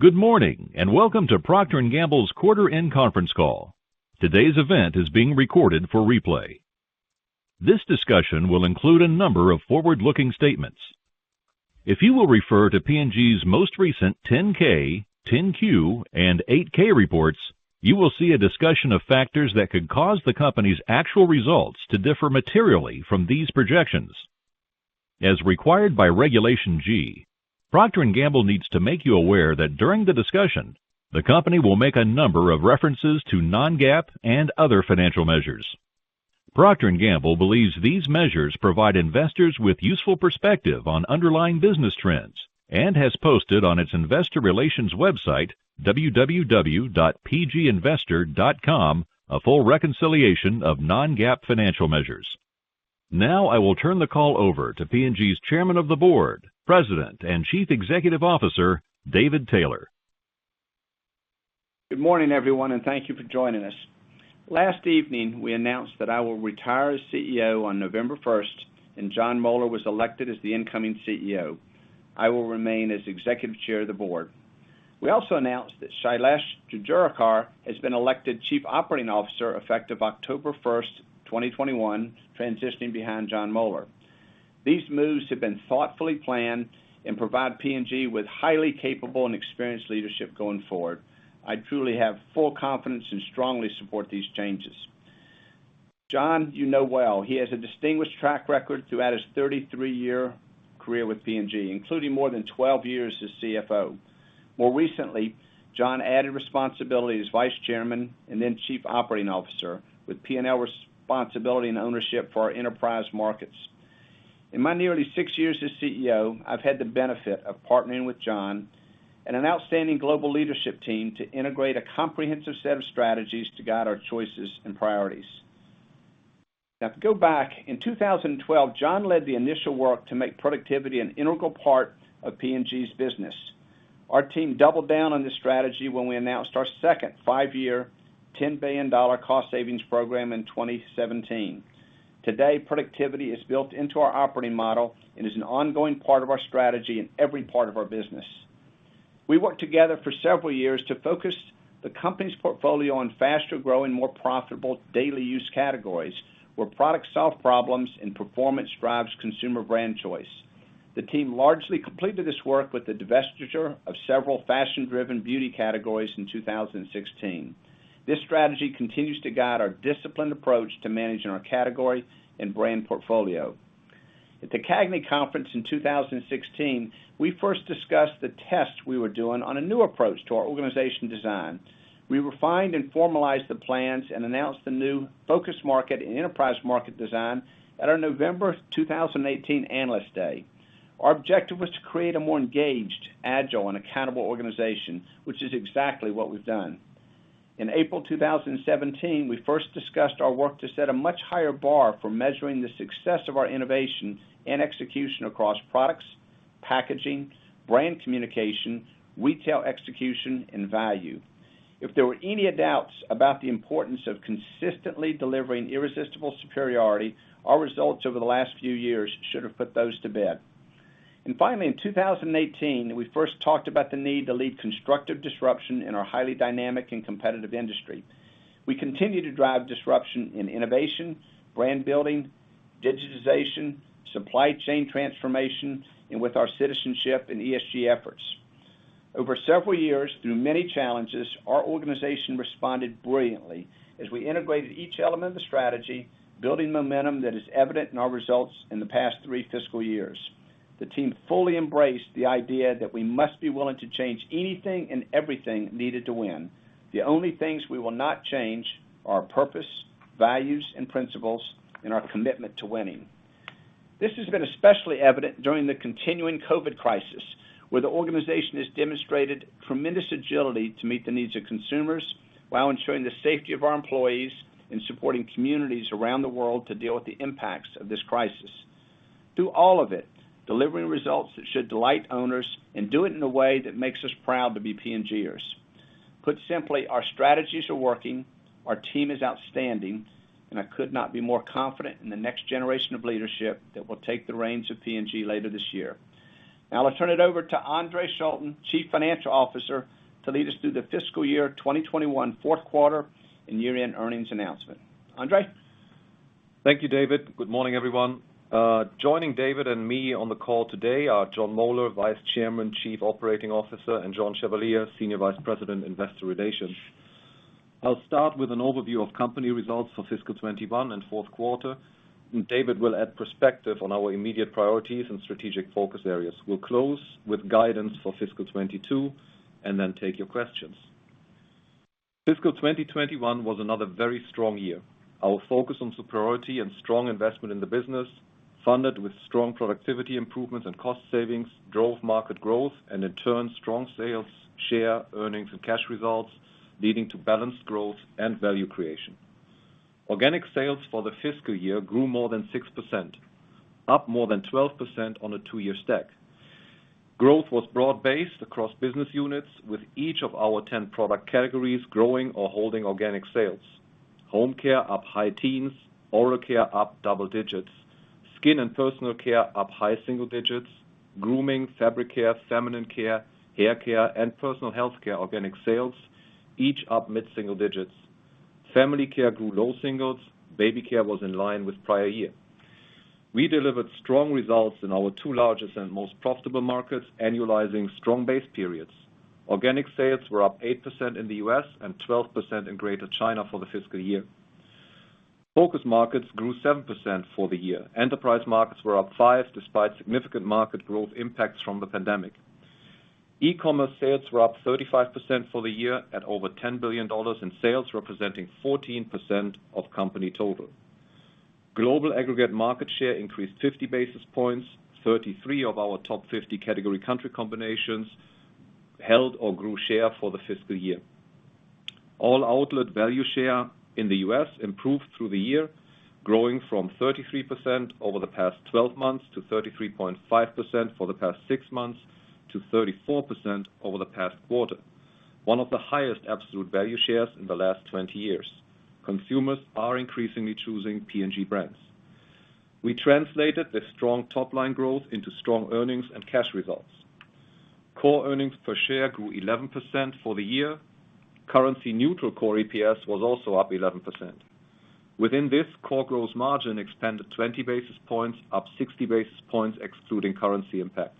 Good morning, welcome to Procter & Gamble's quarter-end conference call. Today's event is being recorded for replay. This discussion will include a number of forward-looking statements. If you will refer to P&G's most recent 10-K, 10-Q, and 8-K reports, you will see a discussion of factors that could cause the company's actual results to differ materially from these projections. As required by Regulation G, Procter & Gamble needs to make you aware that during the discussion, the company will make a number of references to non-GAAP and other financial measures. Procter & Gamble believes these measures provide investors with useful perspective on underlying business trends and has posted on its investor relations website, www.pginvestor.com, a full reconciliation of non-GAAP financial measures. Now I will turn the call over to P&G's Chairman of the Board, President, and Chief Executive Officer, David Taylor. Good morning, everyone, and thank you for joining us. Last evening, we announced that I will retire as Chief Executive Officer on November 1st, and Jon Moeller was elected as the incoming Chief Executive Officer. I will remain as Executive Chair of the Board. We also announced that Shailesh Jejurikar has been elected Chief Operating Officer effective October 1st, 2021, transitioning behind Jon Moeller. These moves have been thoughtfully planned and provide P&G with highly capable and experienced leadership going forward. I truly have full confidence and strongly support these changes. Jon you know well. He has a distinguished track record throughout his 33-year career with P&G, including more than 12 years as Chief Financial Officer. More recently, Jon added responsibility as Vice Chairman and then Chief Operating Officer with P&L responsibility and ownership for our enterprise markets. In my nearly six years as Chief Executive Officer, I've had the benefit of partnering with Jon and an outstanding global leadership team to integrate a comprehensive set of strategies to guide our choices and priorities. Now, to go back, in 2012, Jon led the initial work to make productivity an integral part of P&G's business. Our team doubled down on this strategy when we announced our second five-year, $10 billion cost savings program in 2017. Today, productivity is built into our operating model and is an ongoing part of our strategy in every part of our business. We worked together for several years to focus the company's portfolio on faster-growing, more profitable daily use categories where products solve problems and performance drives consumer brand choice. The team largely completed this work with the divestiture of several fashion-driven beauty categories in 2016. This strategy continues to guide our disciplined approach to managing our category and brand portfolio. At the CAGNY conference in 2016, we first discussed the tests we were doing on a new approach to our organization design. We refined and formalized the plans and announced the new focus market and enterprise market design at our November 2018 Analyst Day. Our objective was to create a more engaged, agile, and accountable organization, which is exactly what we've done. In April 2017, we first discussed our work to set a much higher bar for measuring the success of our innovation and execution across products, packaging, brand communication, retail execution, and value. If there were any doubts about the importance of consistently delivering irresistible superiority, our results over the last few years should have put those to bed. Finally, in 2018, we first talked about the need to lead constructive disruption in our highly dynamic and competitive industry. We continue to drive disruption in innovation, brand building, digitization, supply chain transformation, and with our citizenship and ESG efforts. Over several years, through many challenges, our organization responded brilliantly as we integrated each element of the strategy, building momentum that is evident in our results in the past three fiscal years. The team fully embraced the idea that we must be willing to change anything and everything needed to win. The only things we will not change are purpose, values, and principles, and our commitment to winning. This has been especially evident during the continuing COVID crisis, where the organization has demonstrated tremendous agility to meet the needs of consumers while ensuring the safety of our employees and supporting communities around the world to deal with the impacts of this crisis. Through all of it, delivering results that should delight owners and do it in a way that makes us proud to be P&Gers. Put simply, our strategies are working, our team is outstanding, and I could not be more confident in the next generation of leadership that will take the reins of P&G later this year. Now I turn it over to Andre Schulten, Chief Financial Officer, to lead us through the fiscal year 2021 fourth quarter and year-end earnings announcement. Andre? Thank you, David. Good morning, everyone. Joining David and me on the call today are Jon Moeller, Vice Chairman, Chief Operating Officer, and John Chevalier, Senior Vice President, Investor Relations. I'll start with an overview of company results for fiscal 2021 and fourth quarter. David will add perspective on our immediate priorities and strategic focus areas. We'll close with guidance for fiscal 2022. Then take your questions. Fiscal 2021 was another very strong year. Our focus on superiority and strong investment in the business, funded with strong productivity improvements and cost savings, drove market growth. In turn, strong sales, share, earnings, and cash results, leading to balanced growth and value creation. Organic sales for the fiscal year grew more than 6%, up more than 12% on a two-year stack. Growth was broad-based across business units, with each of our 10 product categories growing or holding organic sales. Home care up high teens, oral care up double digits. Skin and personal care up high single digits. Grooming, fabric care, feminine care, hair care, and personal healthcare organic sales each up mid-single digits. Family care grew low singles. Baby care was in line with prior year. We delivered strong results in our two largest and most profitable markets, annualizing strong base periods. Organic sales were up 8% in the U.S. and 12% in Greater China for the fiscal year. Focus markets grew 7% for the year. Enterprise markets were up 5%, despite significant market growth impacts from the pandemic. E-commerce sales were up 35% for the year at over $10 billion in sales, representing 14% of company total. Global aggregate market share increased 50 basis points, 33 of our top 50 category country combinations held or grew share for the fiscal year. All outlet value share in the U.S. improved through the year, growing from 33% over the past 12 months, to 33.5% for the past six months, to 34% over the past quarter. One of the highest absolute value shares in the last 20 years. Consumers are increasingly choosing P&G brands. We translated this strong top-line growth into strong earnings and cash results. Core earnings per share grew 11% for the year. Currency neutral core EPS was also up 11%. Within this, core gross margin expanded 20 basis points, up 60 basis points excluding currency impacts.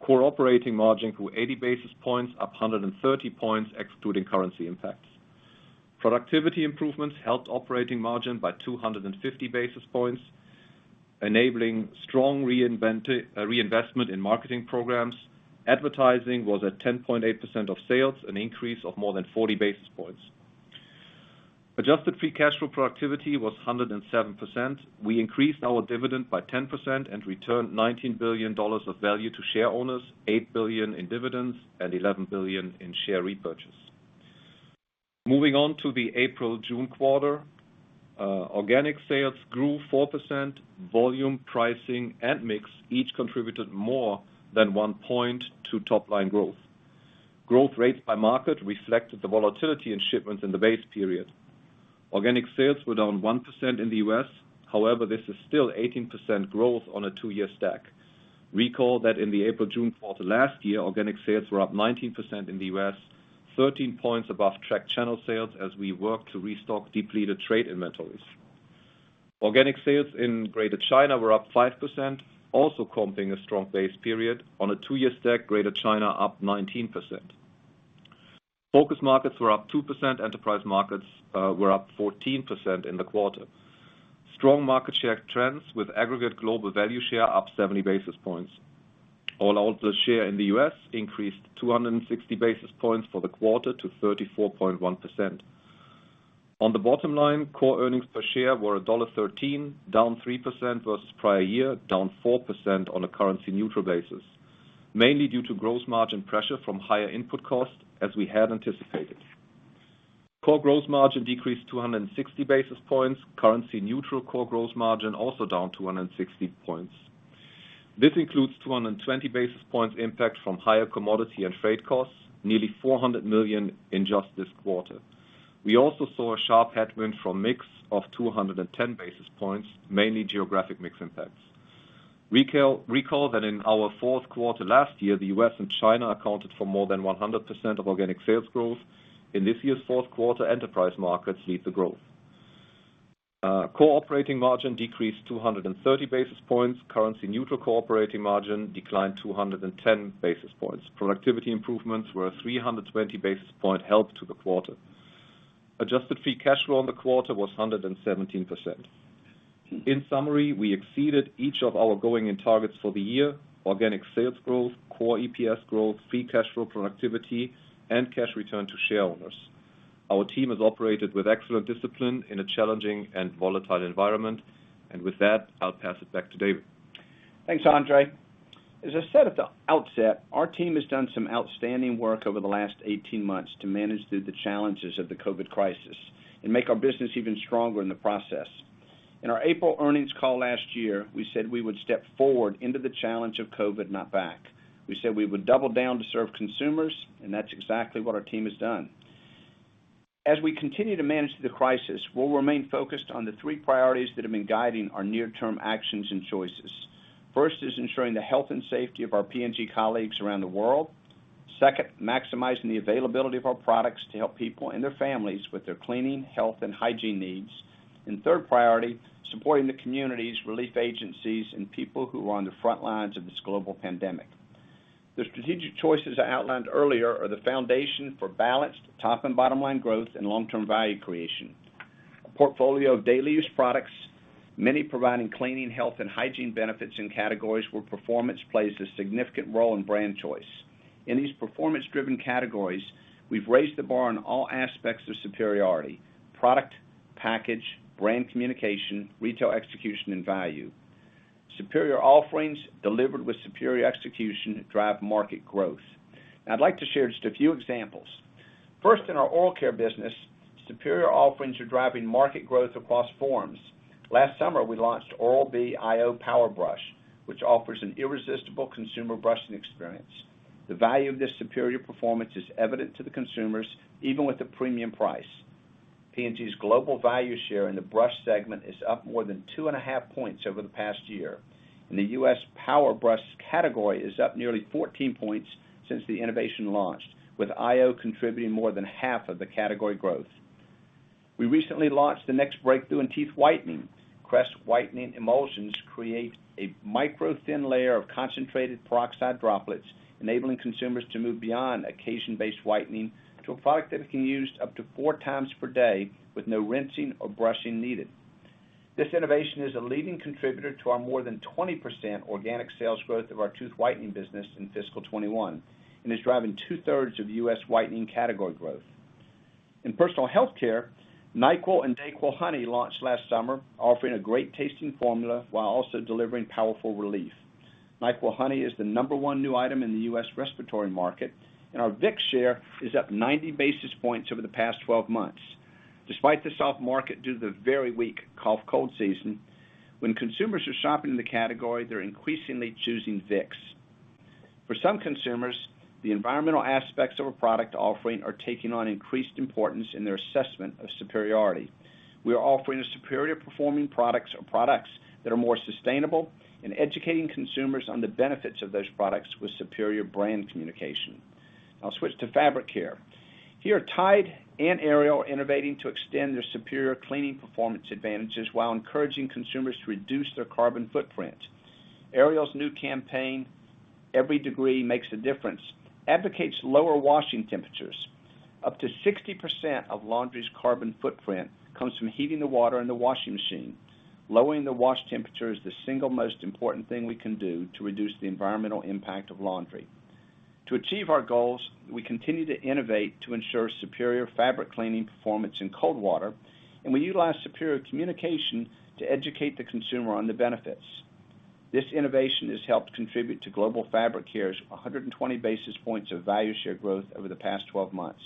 Core operating margin grew 80 basis points, up 130 points excluding currency impacts. Productivity improvements helped operating margin by 250 basis points, enabling strong reinvestment in marketing programs. Advertising was at 10.8% of sales, an increase of more than 40 basis points. Adjusted free cash flow productivity was 107%. We increased our dividend by 10% and returned $19 billion of value to share owners, $8 billion in dividends, and $11 billion in share repurchase. Moving on to the April-June quarter. Organic sales grew 4%. Volume pricing and mix each contributed more than one point to top-line growth. Growth rates by market reflected the volatility in shipments in the base period. Organic sales were down 1% in the U.S. However, this is still 18% growth on a two-year stack. Recall that in the April-June quarter last year, organic sales were up 19% in the U.S., 13 points above tracked channel sales as we worked to restock depleted trade inventories. Organic sales in Greater China were up 5%, also comping a strong base period. On a two-year stack, Greater China up 19%. Focus markets were up 2%. Enterprise markets were up 14% in the quarter. Strong market share trends with aggregate global value share up 70 basis points. All outlet share in the U.S. increased 260 basis points for the quarter to 34.1%. On the bottom line, core earnings per share were $1.13, down 3% versus prior year, down 4% on a currency-neutral basis, mainly due to gross margin pressure from higher input costs as we had anticipated. Core gross margin decreased 260 basis points. Currency neutral core gross margin also down 260 points. This includes 220 basis points impact from higher commodity and freight costs, nearly $400 million in just this quarter. We also saw a sharp headwind from mix of 210 basis points, mainly geographic mix impacts. Recall that in our fourth quarter last year, the U.S. and China accounted for more than 100% of organic sales growth. In this year's fourth quarter, enterprise markets lead the growth. Core operating margin decreased 230 basis points. Currency neutral core operating margin declined 210 basis points. Productivity improvements were a 320 basis point help to the quarter. Adjusted free cash flow on the quarter was 117%. In summary, we exceeded each of our going in targets for the year: organic sales growth, core EPS growth, free cash flow productivity, and cash return to shareowners. Our team has operated with excellent discipline in a challenging and volatile environment. With that, I'll pass it back to David. Thanks, Andre. As I said at the outset, our team has done some outstanding work over the last 18 months to manage through the challenges of the COVID crisis and make our business even stronger in the process. In our April earnings call last year, we said we would step forward into the challenge of COVID, not back. We said we would double down to serve consumers, and that's exactly what our team has done. As we continue to manage through the crisis, we'll remain focused on the three priorities that have been guiding our near-term actions and choices. First is ensuring the health and safety of our P&G colleagues around the world. Second, maximizing the availability of our products to help people and their families with their cleaning, health, and hygiene needs. Third priority, supporting the communities, relief agencies, and people who are on the front lines of this global pandemic. The strategic choices I outlined earlier are the foundation for balanced top and bottom-line growth and long-term value creation. A portfolio of daily use products, many providing cleaning, health, and hygiene benefits and categories where performance plays a significant role in brand choice. In these performance-driven categories, we've raised the bar on all aspects of superiority, product, package, brand communication, retail execution, and value. Superior offerings delivered with superior execution drive market growth. I'd like to share just a few examples. First, in our oral care business, superior offerings are driving market growth across forms. Last summer, we launched Oral-B iO Power Brush, which offers an irresistible consumer brushing experience. The value of this superior performance is evident to the consumers, even with the premium price. P&G's global value share in the brush segment is up more than 2.5 points over the past year. In the U.S., Power Brushes category is up nearly 14 points since the innovation launched, with Oral-B iO contributing more than half of the category growth. We recently launched the next breakthrough in teeth whitening. Crest Whitening Emulsions creates a micro thin layer of concentrated peroxide droplets, enabling consumers to move beyond occasion-based whitening to a product that can be used up to four times per day with no rinsing or brushing needed. This innovation is a leading contributor to our more than 20% organic sales growth of our tooth whitening business in fiscal 2021, and is driving two-thirds of U.S. whitening category growth. In personal healthcare, NyQuil and DayQuil Honey launched last summer, offering a great tasting formula while also delivering powerful relief. NyQuil Honey is the number one new item in the U.S. respiratory market, and our Vicks share is up 90 basis points over the past 12 months. Despite the soft market, due to the very weak cough, cold season, when consumers are shopping in the category, they're increasingly choosing Vicks. For some consumers, the environmental aspects of a product offering are taking on increased importance in their assessment of superiority. We are offering a superior performing products or products that are more sustainable, and educating consumers on the benefits of those products with superior brand communication. I'll switch to fabric care. Here, Tide and Ariel are innovating to extend their superior cleaning performance advantages while encouraging consumers to reduce their carbon footprint. Ariel's new campaign, Every Degree Makes a Difference, advocates lower washing temperatures. Up to 60% of laundry's carbon footprint comes from heating the water in the washing machine. Lowering the wash temperature is the single most important thing we can do to reduce the environmental impact of laundry. To achieve our goals, we continue to innovate to ensure superior fabric cleaning performance in cold water, and we utilize superior communication to educate the consumer on the benefits. This innovation has helped contribute to global fabric care's 120 basis points of value share growth over the past 12 months.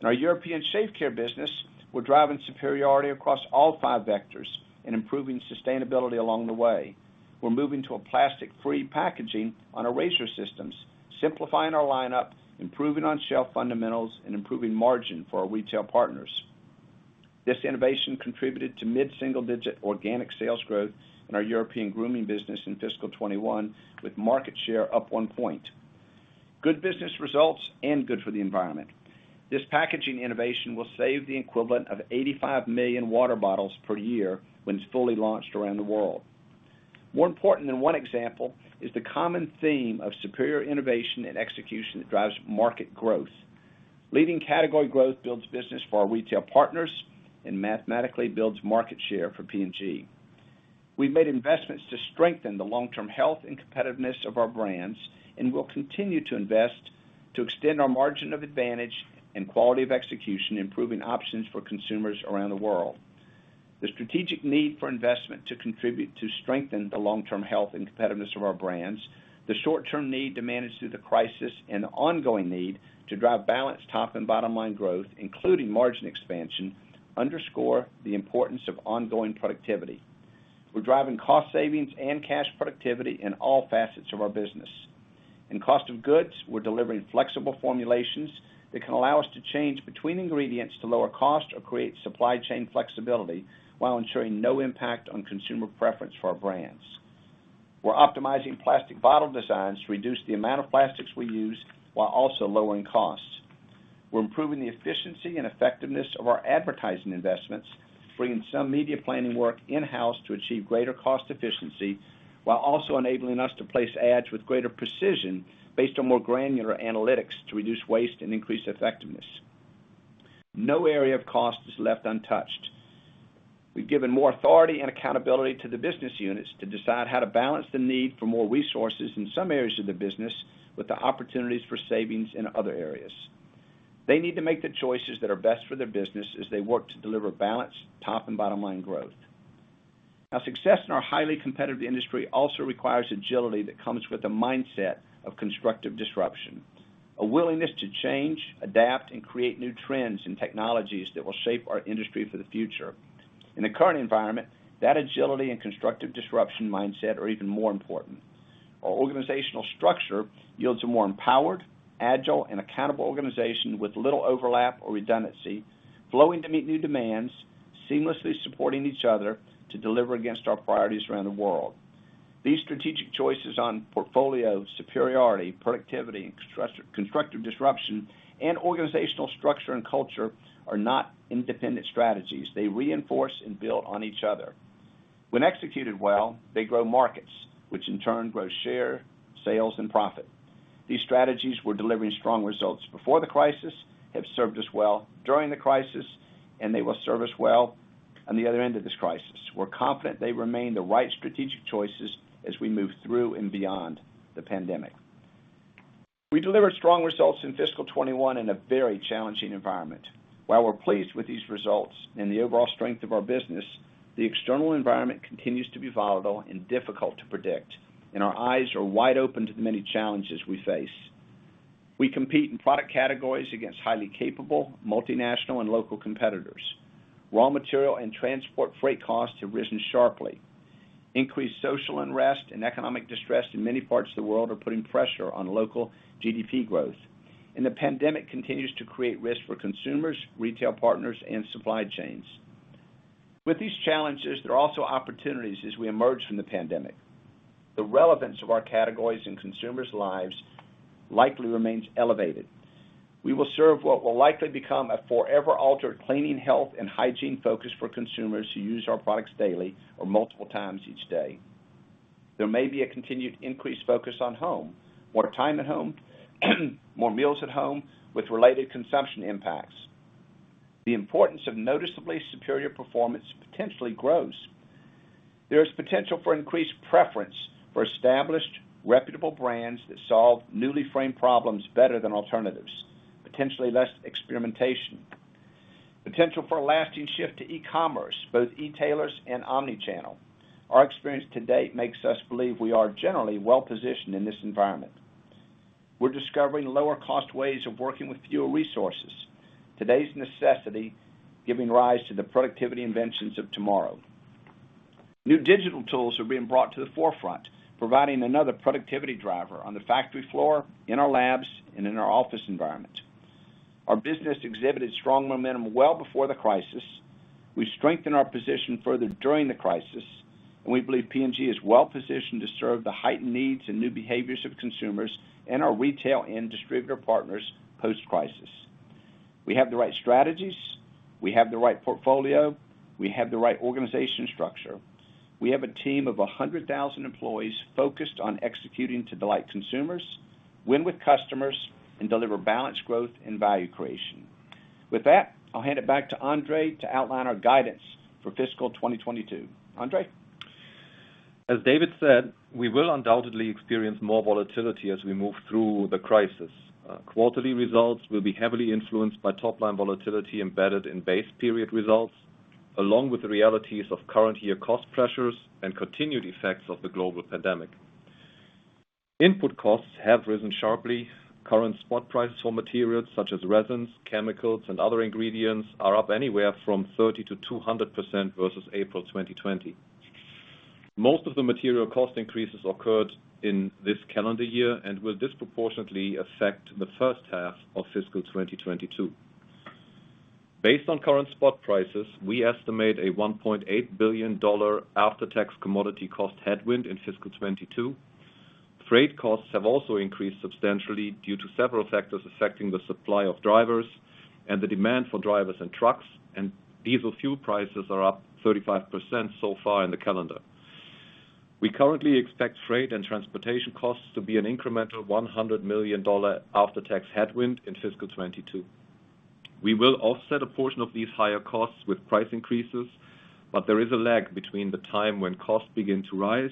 In our European shave care business, we're driving superiority across all five vectors and improving sustainability along the way. We're moving to a plastic-free packaging on our razor systems, simplifying our lineup, improving on-shelf fundamentals, and improving margin for our retail partners. This innovation contributed to mid-single-digit organic sales growth in our European grooming business in fiscal 2021, with market share up one point. Good business results and good for the environment. This packaging innovation will save the equivalent of 85 million water bottles per year when it's fully launched around the world. More important than one example is the common theme of superior innovation and execution that drives market growth. Leading category growth builds business for our retail partners and mathematically builds market share for P&G. We've made investments to strengthen the long-term health and competitiveness of our brands, and we'll continue to invest to extend our margin of advantage and quality of execution, improving options for consumers around the world. The strategic need for investment to contribute to strengthen the long-term health and competitiveness of our brands, the short-term need to manage through the crisis, and the ongoing need to drive balanced top and bottom line growth, including margin expansion, underscore the importance of ongoing productivity. We're driving cost savings and cash productivity in all facets of our business. In cost of goods, we're delivering flexible formulations that can allow us to change between ingredients to lower cost or create supply chain flexibility while ensuring no impact on consumer preference for our brands. We're optimizing plastic bottle designs to reduce the amount of plastics we use while also lowering costs. We're improving the efficiency and effectiveness of our advertising investments, bringing some media planning work in-house to achieve greater cost efficiency, while also enabling us to place ads with greater precision based on more granular analytics to reduce waste and increase effectiveness. No area of cost is left untouched. We've given more authority and accountability to the business units to decide how to balance the need for more resources in some areas of the business with the opportunities for savings in other areas. They need to make the choices that are best for their business as they work to deliver balanced top and bottom line growth. Success in our highly competitive industry also requires agility that comes with a mindset of constructive disruption. A willingness to change, adapt, and create new trends and technologies that will shape our industry for the future. In the current environment, that agility and constructive disruption mindset are even more important. Our organizational structure yields a more empowered, agile, and accountable organization with little overlap or redundancy, flowing to meet new demands, seamlessly supporting each other to deliver against our priorities around the world. These strategic choices on portfolio superiority, productivity, and constructive disruption, and organizational structure and culture are not independent strategies. They reinforce and build on each other. When executed well, they grow markets, which in turn grows share, sales, and profit. These strategies were delivering strong results before the crisis, have served us well during the crisis, and they will serve us well on the other end of this crisis. We're confident they remain the right strategic choices as we move through and beyond the pandemic. We delivered strong results in fiscal 2021 in a very challenging environment. While we're pleased with these results and the overall strength of our business, the external environment continues to be volatile and difficult to predict, and our eyes are wide open to the many challenges we face. We compete in product categories against highly capable multinational and local competitors. Raw material and transport freight costs have risen sharply. Increased social unrest and economic distress in many parts of the world are putting pressure on local GDP growth, and the pandemic continues to create risks for consumers, retail partners, and supply chains. With these challenges, there are also opportunities as we emerge from the pandemic. The relevance of our categories in consumers' lives likely remains elevated. We will serve what will likely become a forever altered cleaning, health, and hygiene focus for consumers who use our products daily or multiple times each day. There may be a continued increased focus on home, more time at home, more meals at home with related consumption impacts. The importance of noticeably superior performance potentially grows. There is potential for increased preference for established, reputable brands that solve newly framed problems better than alternatives, potentially less experimentation. Potential for a lasting shift to e-commerce, both e-tailers and omni-channel. Our experience to date makes us believe we are generally well-positioned in this environment. We're discovering lower-cost ways of working with fewer resources. Today's necessity, giving rise to the productivity inventions of tomorrow. New digital tools are being brought to the forefront, providing another productivity driver on the factory floor, in our labs, and in our office environment. Our business exhibited strong momentum well before the crisis. We strengthened our position further during the crisis, and we believe P&G is well-positioned to serve the heightened needs and new behaviors of consumers and our retail and distributor partners post-crisis. We have the right strategies. We have the right portfolio. We have the right organization structure. We have a team of 100,000 employees focused on executing to delight consumers, win with customers, and deliver balanced growth and value creation. With that, I'll hand it back to Andre to outline our guidance for fiscal 2022. Andre? As David said, we will undoubtedly experience more volatility as we move through the crisis. Quarterly results will be heavily influenced by top-line volatility embedded in base period results, along with the realities of current-year cost pressures and continued effects of the global pandemic. Input costs have risen sharply. Current spot prices for materials such as resins, chemicals, and other ingredients are up anywhere from 30% to 200% versus April 2020. Most of the material cost increases occurred in this calendar year and will disproportionately affect the first half of fiscal 2022. Based on current spot prices, we estimate a $1.8 billion after-tax commodity cost headwind in fiscal 2022. Freight costs have also increased substantially due to several factors affecting the supply of drivers and the demand for drivers and trucks, and diesel fuel prices are up 35% so far in the calendar. We currently expect freight and transportation costs to be an incremental $100 million after-tax headwind in fiscal 2022. We will offset a portion of these higher costs with price increases, but there is a lag between the time when costs begin to rise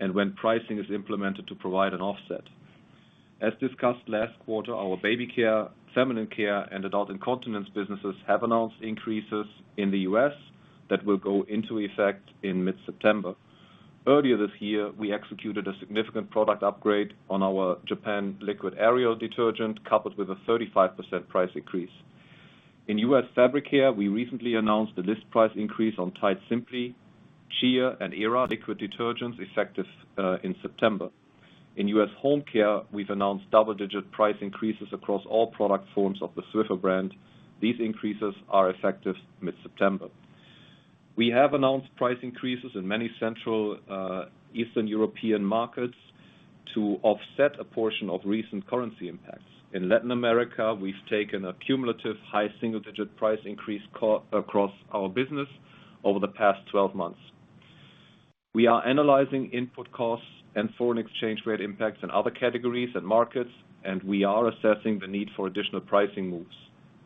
and when pricing is implemented to provide an offset. As discussed last quarter, our baby care, feminine care, and adult incontinence businesses have announced increases in the U.S. that will go into effect in mid-September. Earlier this year, we executed a significant product upgrade on our Japan liquid Ariel detergent, coupled with a 35% price increase. In U.S. fabric care, we recently announced the list price increase on Tide Simply, Cheer, and Era liquid detergents effective in September. In U.S. home care, we've announced double-digit price increases across all product forms of the Swiffer brand. These increases are effective mid-September. We have announced price increases in many central Eastern European markets to offset a portion of recent currency impacts. In Latin America, we've taken a cumulative high single-digit price increase across our business over the past 12 months. We are analyzing input costs and foreign exchange rate impacts in other categories and markets, and we are assessing the need for additional pricing moves.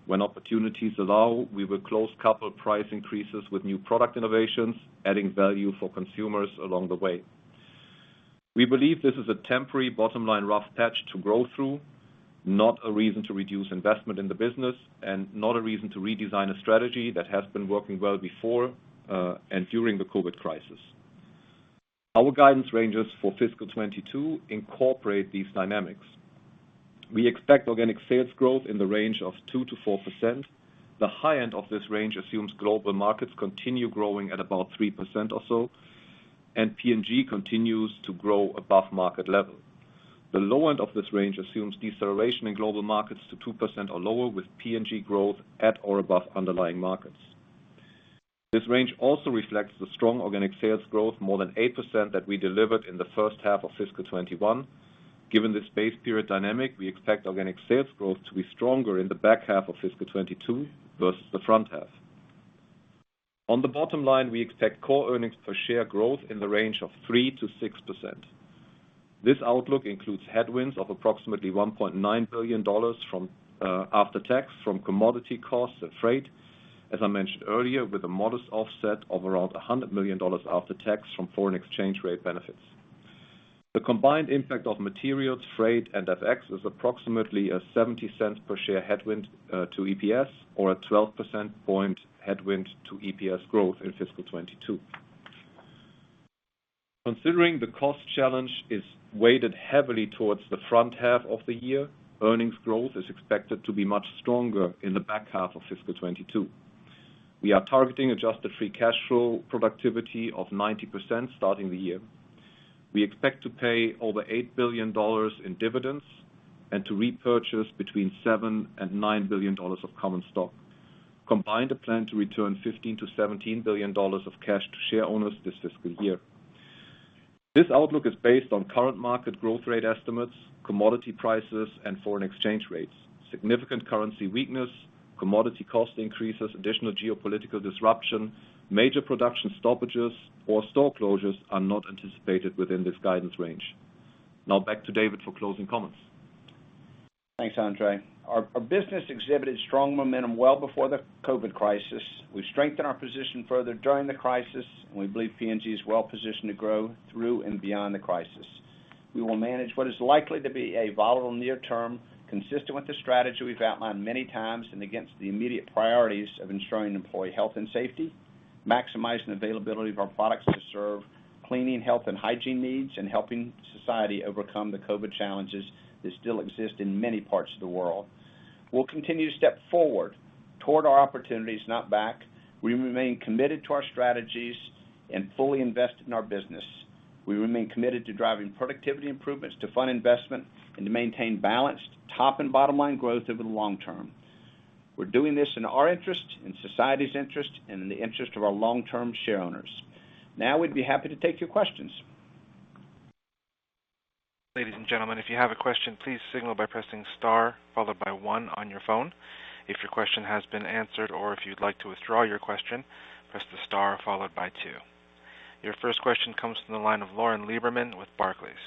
When opportunities allow, we will close coupled price increases with new product innovations, adding value for consumers along the way. We believe this is a temporary bottom-line rough patch to grow through, not a reason to reduce investment in the business and not a reason to redesign a strategy that has been working well before, and during the COVID crisis. Our guidance ranges for fiscal 2022 incorporate these dynamics. We expect organic sales growth in the range of 2%-4%. The high end of this range assumes global markets continue growing at about 3% or so, and P&G continues to grow above market level. The low end of this range assumes deceleration in global markets to 2% or lower, with P&G growth at or above underlying markets. This range also reflects the strong organic sales growth, more than 8%, that we delivered in the first half of fiscal 2021. Given this base period dynamic, we expect organic sales growth to be stronger in the back half of fiscal 2022 versus the front half. On the bottom line, we expect core earnings per share growth in the range of 3%-6%. This outlook includes headwinds of approximately $1.9 billion after tax from commodity costs and freight, as I mentioned earlier, with a modest offset of around $100 million after tax from foreign exchange rate benefits. The combined impact of materials, freight, and FX is approximately a $0.70 per share headwind to EPS or a 12 percentage point headwind to EPS growth in fiscal 2022. Considering the cost challenge is weighted heavily towards the front half of the year, earnings growth is expected to be much stronger in the back half of fiscal 2022. We are targeting adjusted free cash flow productivity of 90% starting the year. We expect to pay over $8 billion in dividends and to repurchase between $7 billion and $9 billion of common stock. Combined, a plan to return $15 billion-$17 billion of cash to shareowners this fiscal year. This outlook is based on current market growth rate estimates, commodity prices, and foreign exchange rates. Significant currency weakness, commodity cost increases, additional geopolitical disruption, major production stoppages, or store closures are not anticipated within this guidance range. Now back to David for closing comments. Thanks, Andre. Our business exhibited strong momentum well before the COVID crisis. We strengthened our position further during the crisis, and we believe P&G is well-positioned to grow through and beyond the crisis. We will manage what is likely to be a volatile near term, consistent with the strategy we've outlined many times and against the immediate priorities of ensuring employee health and safety, maximizing availability of our products to serve cleaning, health, and hygiene needs, and helping society overcome the COVID challenges that still exist in many parts of the world. We'll continue to step forward toward our opportunities, not back. We remain committed to our strategies and fully invested in our business. We remain committed to driving productivity improvements to fund investment, and to maintain balanced top and bottom-line growth over the long term. We're doing this in our interest, in society's interest, and in the interest of our long-term shareowners. We'd be happy to take your questions. Ladies and gentlemen, if you have a question, please signal by pressing star followed by one on your phone. If your question has been answered or if you'd like to withdraw your question, press the star followed by two. Your first question comes from the line of Lauren Lieberman with Barclays.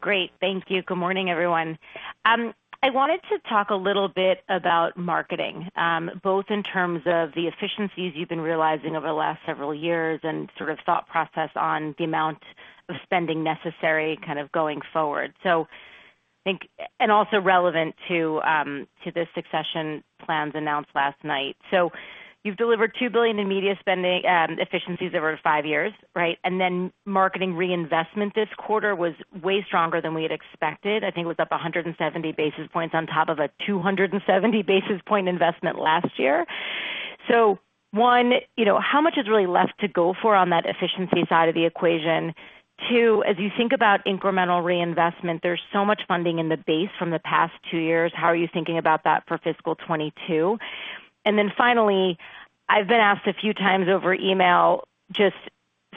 Great. Thank you. Good morning, everyone. I wanted to talk a little bit about marketing, both in terms of the efficiencies you've been realizing over the last several years and sort of thought process on the amount of spending necessary going forward. Also relevant to the succession plans announced last night. You've delivered $2 billion in media spending efficiencies over five years, right? Marketing reinvestment this quarter was way stronger than we had expected. I think it was up 170 basis points on top of a 270 basis point investment last year. One, how much is really left to go for on that efficiency side of the equation? Two, as you think about incremental reinvestment, there's so much funding in the base from the past two years, how are you thinking about that for fiscal 2022? Finally, I've been asked a few times over email, just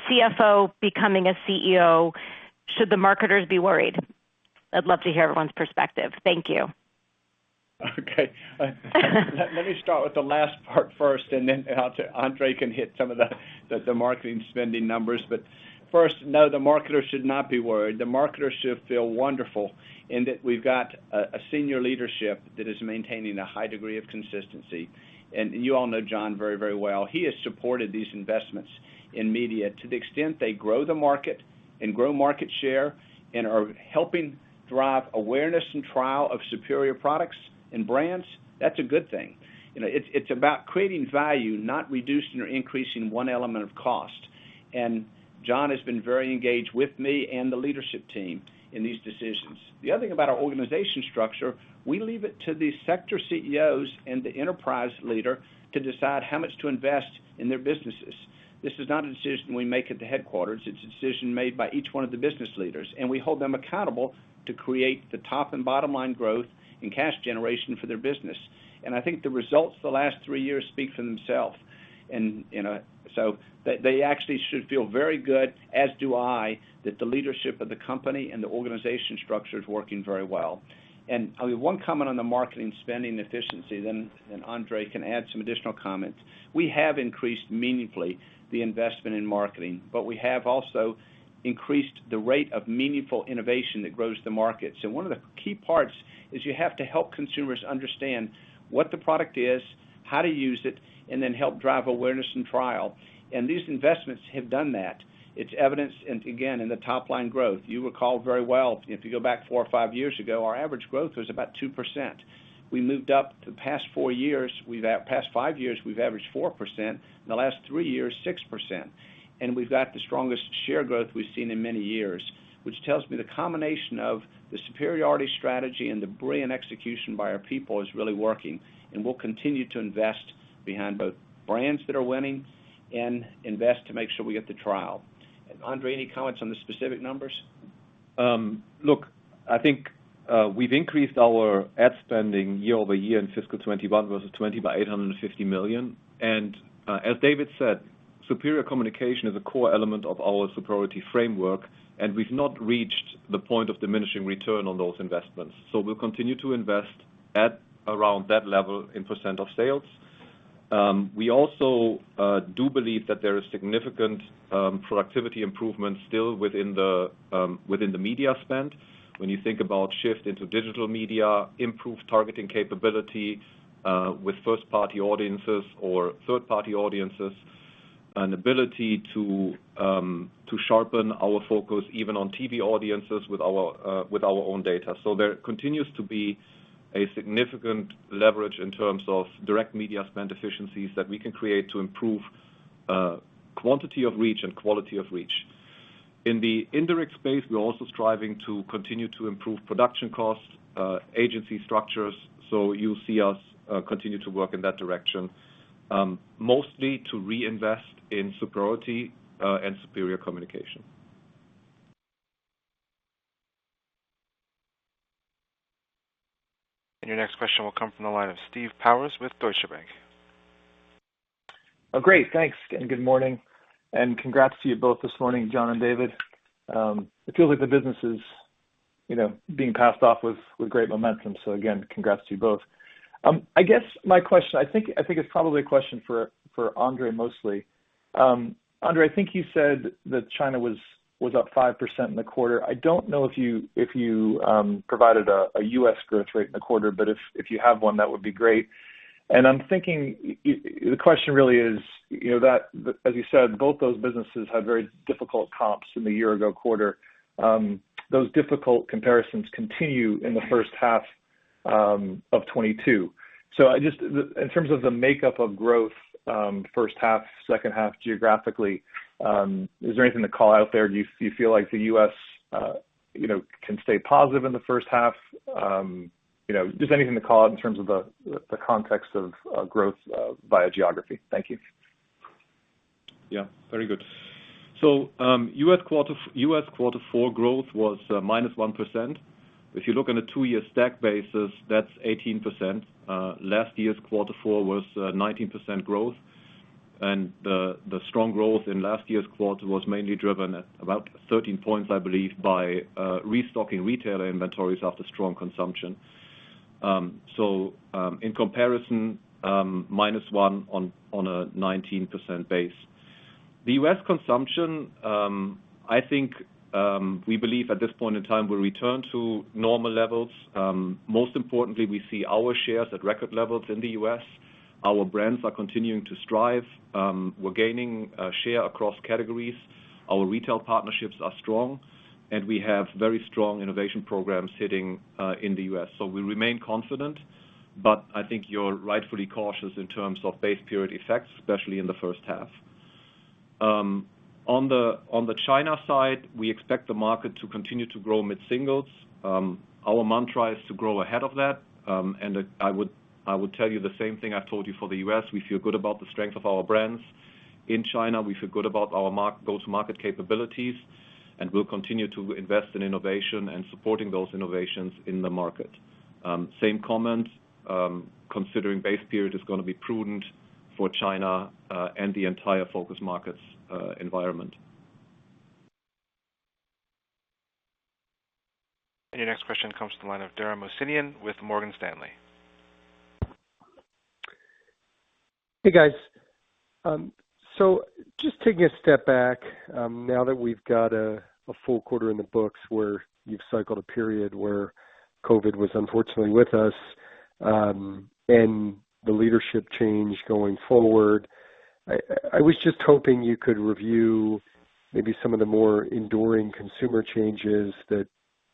Chief Financial Officer becoming a Chief Executive Officer, should the marketers be worried? I'd love to hear everyone's perspective. Thank you. Okay. Let me start with the last part first, and then Andre Schulten can hit some of the marketing spending numbers. First, no, the marketers should not be worried. The marketers should feel wonderful in that we've got a senior leadership that is maintaining a high degree of consistency. You all know Jon very well. He has supported these investments in media to the extent they grow the market and grow market share and are helping drive awareness and trial of superior products and brands. That's a good thing. It's about creating value, not reducing or increasing one element of cost. Jon has been very engaged with me and the leadership team in these decisions. The other thing about our organization structure, we leave it to the sector Chief Executive Officers and the enterprise leader to decide how much to invest in their businesses. This is not a decision we make at the headquarters. It's a decision made by each one of the business leaders, and we hold them accountable to create the top and bottom-line growth, and cash generation for their business. I think the results the last three years speak for themselves. They actually should feel very good, as do I, that the leadership of the company and the organization structure is working very well. One comment on the marketing spending efficiency, then Andre can add some additional comments. We have increased meaningfully the investment in marketing, but we have also increased the rate of meaningful innovation that grows the market. One of the key parts is you have to help consumers understand what the product is, how to use it, and then help drive awareness and trial. These investments have done that. It's evidenced, again, in the top-line growth. You recall very well, if you go back four or five years ago, our average growth was about 2%. We moved up the past five years, we've averaged 4%, and the last three years, 6%. We've got the strongest share growth we've seen in many years, which tells me the combination of the superiority strategy and the brilliant execution by our people is really working, and we'll continue to invest behind both brands that are winning and invest to make sure we get the trial. Andre, any comments on the specific numbers? Look, I think we've increased our ad spending YoY in fiscal 2021 versus 2020 by $850 million. As David said, superior communication is a core element of our superiority framework, and we've not reached the point of diminishing return on those investments. We'll continue to invest at around that level in percent of sales. We also do believe that there are significant productivity improvements still within the media spend. When you think about shift into digital media, improved targeting capability, with first-party audiences or third-party audiences, an ability to sharpen our focus even on TV audiences with our own data. There continues to be a significant leverage in terms of direct media spend efficiencies that we can create to improve quantity of reach and quality of reach. In the indirect space, we're also striving to continue to improve production costs, agency structures. You'll see us continue to work in that direction, mostly to reinvest in superiority and superior communication. Your next question will come from the line of Steve Powers with Deutsche Bank. Great. Thanks, good morning, and congrats to you both this morning, Jon and David. It feels like the business is being passed off with great momentum. Again, congrats to you both. I guess my question, I think it's probably a question for Andre mostly. Andre, I think you said that China was up 5% in the quarter. I don't know if you provided a U.S. growth rate in the quarter, if you have one, that would be great. I'm thinking, the question really is, as you said, both those businesses had very difficult comps in the year-ago quarter. Those difficult comparisons continue in the first half of 2022. Just in terms of the makeup of growth, first half, second half geographically, is there anything to call out there? Do you feel like the U.S. can stay positive in the first half? Just anything to call out in terms of the context of growth via geography. Thank you. Yeah, very good. U.S. quarter four growth was -1%. If you look on a two-year stack basis, that's 18%. Last year's quarter four was 19% growth. The strong growth in last year's quarter was mainly driven at about 13 points, I believe, by restocking retailer inventories after strong consumption. In comparison, -1% on a 19% base. The U.S. consumption, I think, we believe at this point in time will return to normal levels. Most importantly, we see our shares at record levels in the U.S. Our brands are continuing to strive. We're gaining share across categories. Our retail partnerships are strong, and we have very strong innovation programs hitting in the U.S. We remain confident, but I think you're rightfully cautious in terms of base period effects, especially in the first half. On the China side, we expect the market to continue to grow mid-singles. Our mantra is to grow ahead of that. I would tell you the same thing I told you for the U.S., we feel good about the strength of our brands. In China, we feel good about those market capabilities, and we'll continue to invest in innovation and supporting those innovations in the market. Same comment, considering base period is going to be prudent for China, and the entire focus markets environment. Your next question comes to the line of Dara Mohsenian with Morgan Stanley. Hey, guys. Just taking a step back, now that we've got a full quarter in the books where you've cycled a period where COVID was unfortunately with us, and the leadership change going forward, I was just hoping you could review maybe some of the more enduring consumer changes that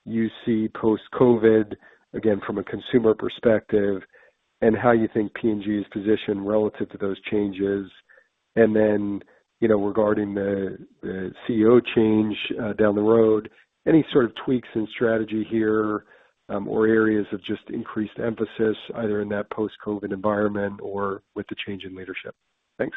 you see post-COVID, again, from a consumer perspective, and how you think P&G is positioned relative to those changes. Regarding the Chief Executive Officer change down the road, any sort of tweaks in strategy here, or areas of just increased emphasis either in that post-COVID environment or with the change in leadership? Thanks.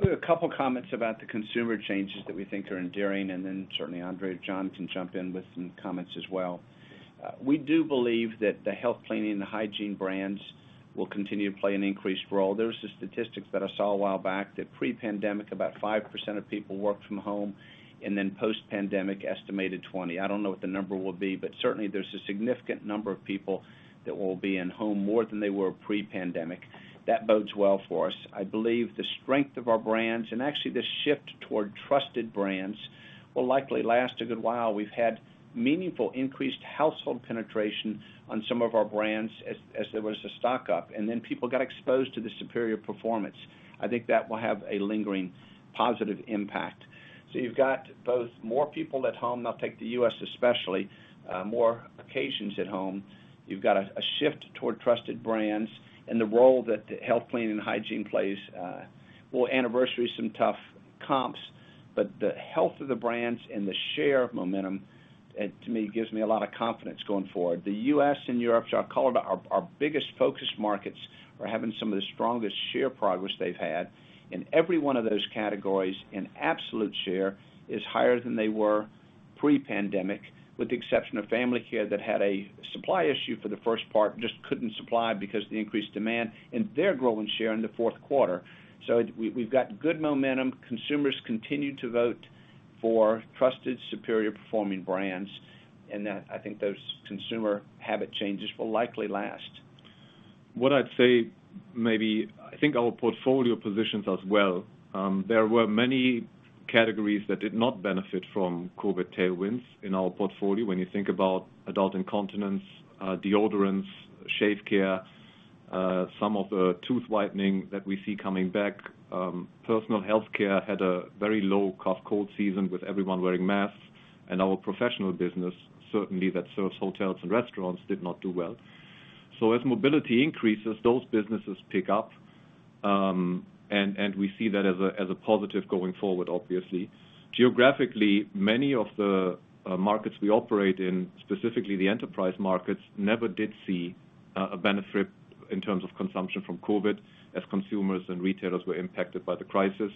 A couple of comments about the consumer changes that we think are enduring, and then certainly Andre or Jon can jump in with some comments as well. We do believe that the health cleaning and hygiene brands will continue to play an increased role. There was a statistic that I saw a while back that pre-pandemic, about 5% of people worked from home, and then post-pandemic, estimated 20%. I don't know what the number will be, but certainly there's a significant number of people that will be in home more than they were pre-pandemic. That bodes well for us. I believe the strength of our brands, and actually the shift toward trusted brands, will likely last a good while. We've had meaningful increased household penetration on some of our brands as there was a stock-up, and then people got exposed to the superior performance. I think that will have a lingering positive impact. You've got both more people at home, and I'll take the U.S. especially, more occasions at home. You've got a shift toward trusted brands and the role that health, cleaning, and hygiene plays. We'll anniversary some tough comps, the health of the brands and the share of momentum, to me, gives me a lot of confidence going forward. The U.S. and Europe, so I call them our biggest focus markets, are having some of the strongest share progress they've had. In every one of those categories, an absolute share is higher than they were pre-pandemic, with the exception of family care that had a supply issue for the first part, just couldn't supply because of the increased demand, and they're growing share in the fourth quarter. We've got good momentum. Consumers continue to vote for trusted, superior-performing brands, and I think those consumer habit changes will likely last. What I'd say, maybe I think our portfolio positions as well. There were many categories that did not benefit from COVID tailwinds in our portfolio. When you think about adult incontinence, deodorants, shave care. Some of the tooth whitening that we see coming back. Personal health care had a very low cough, cold season with everyone wearing masks, and our professional business, certainly that serves hotels and restaurants, did not do well. As mobility increases, those businesses pick up, and we see that as a positive going forward, obviously. Geographically, many of the markets we operate in, specifically the enterprise markets, never did see a benefit in terms of consumption from COVID as consumers and retailers were impacted by the crisis.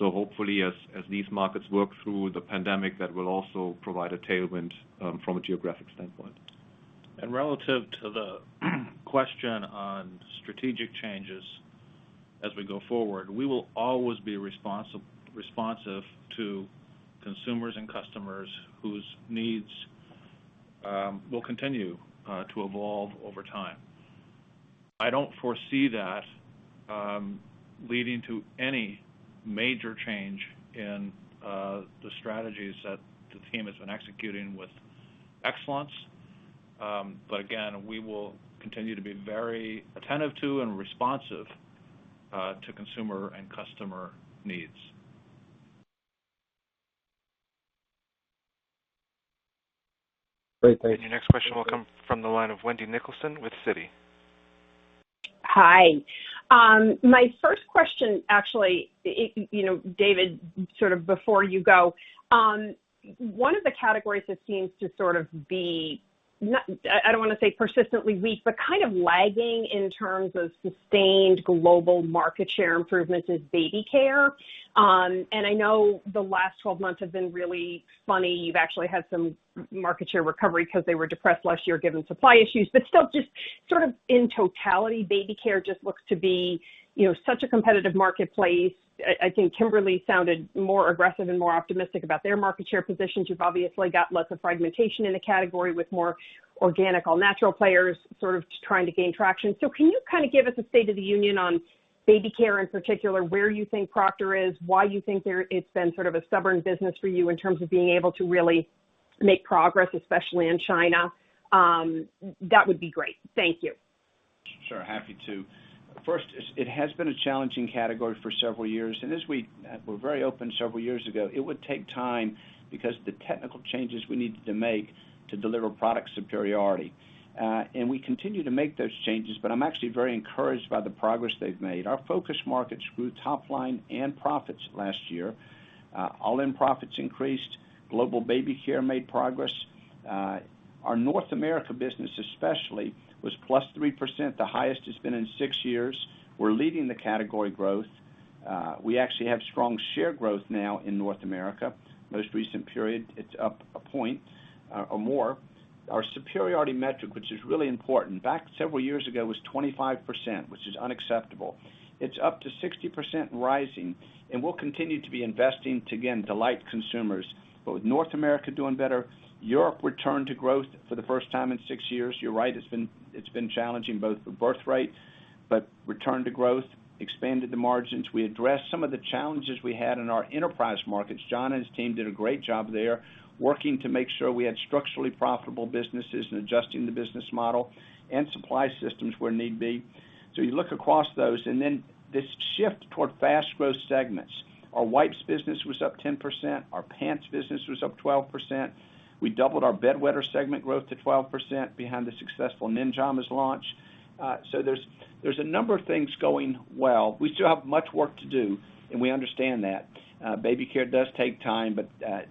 Hopefully, as these markets work through the pandemic, that will also provide a tailwind from a geographic standpoint. Relative to the question on strategic changes as we go forward, we will always be responsive to consumers and customers whose needs will continue to evolve over time. I don't foresee that leading to any major change in the strategies that the team has been executing with excellence. Again, we will continue to be very attentive to and responsive to consumer and customer needs. Great. Thank you. Your next question will come from the line of Wendy Nicholson with Citi. Hi. My first question, actually, David, sort of before you go. One of the categories that seems to sort of be, I don't want to say persistently weak, but kind of lagging in terms of sustained global market share improvements is baby care. I know the last 12 months have been really funny. You've actually had some market share recovery because they were depressed last year, given supply issues, but still just sort of in totality, baby care just looks to be such a competitive marketplace. I think Kimberly-Clark sounded more aggressive and more optimistic about their market share positions. You've obviously got lots of fragmentation in the category with more organic, all-natural players sort of trying to gain traction. Can you kind of give us a state of the union on baby care, in particular, where you think Procter is, why you think it's been sort of a stubborn business for you in terms of being able to really make progress, especially in China? That would be great. Thank you. Sure. Happy to. It has been a challenging category for several years, and as we were very open several years ago, it would take time because the technical changes we needed to make to deliver product superiority. We continue to make those changes, but I'm actually very encouraged by the progress they've made. Our focus markets grew top line and profits last year. All-in profits increased. Global baby care made progress. Our North America business especially was +3%, the highest it's been in six years. We're leading the category growth. We actually have strong share growth now in North America. Most recent period, it's up one point or more. Our superiority metric, which is really important, back several years ago was 25%, which is unacceptable. It's up to 60% and rising, and we'll continue to be investing to, again, delight consumers. With North America doing better, Europe returned to growth for the first time in six years. You're right, it's been challenging, both the birth rate, but return to growth expanded the margins. We addressed some of the challenges we had in our enterprise markets. Jon and his team did a great job there, working to make sure we had structurally profitable businesses and adjusting the business model and supply systems where need be. You look across those, and then this shift toward fast growth segments. Our wipes business was up 10%. Our pants business was up 12%. We doubled our bed wetter segment growth to 12% behind the successful Ninjamas launch. There's a number of things going well. We still have much work to do, and we understand that. Baby care does take time.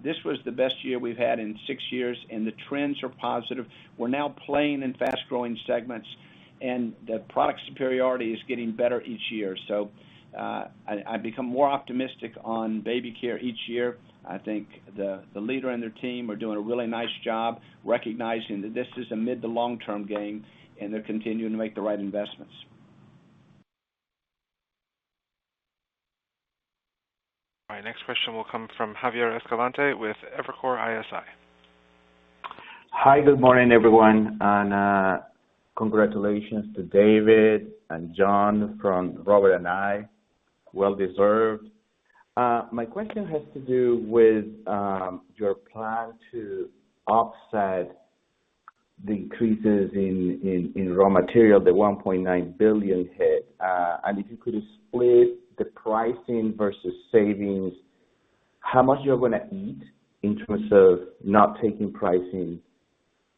This was the best year we've had in six years, and the trends are positive. We're now playing in fast-growing segments. The product superiority is getting better each year. I become more optimistic on baby care each year. I think the leader and their team are doing a really nice job recognizing that this is a mid to long-term game. They're continuing to make the right investments. All right. Next question will come from Javier Escalante with Evercore ISI. Hi, good morning, everyone. Congratulations to David and Jon from Robert and I. Well deserved. My question has to do with your plan to offset the increases in raw material, the $1.9 billion hit. If you could split the pricing versus savings, how much you're going to eat in terms of not taking pricing?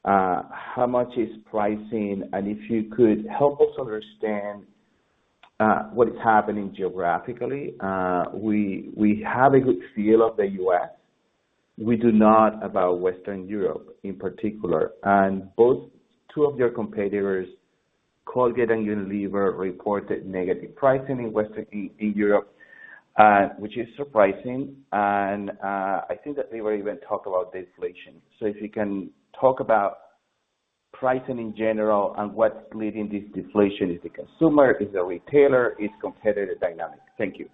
How much is pricing, and if you could help us understand what is happening geographically. We have a good feel of the U.S. We do not about Western Europe, in particular, and both two of your competitors, Colgate-Palmolive and Unilever, reported negative pricing in Western Europe, which is surprising. I think that they were even talk about deflation. If you can talk about pricing in general and what's leading this deflation. Is it consumer? Is it retailer? Is it competitive dynamic? Thank you.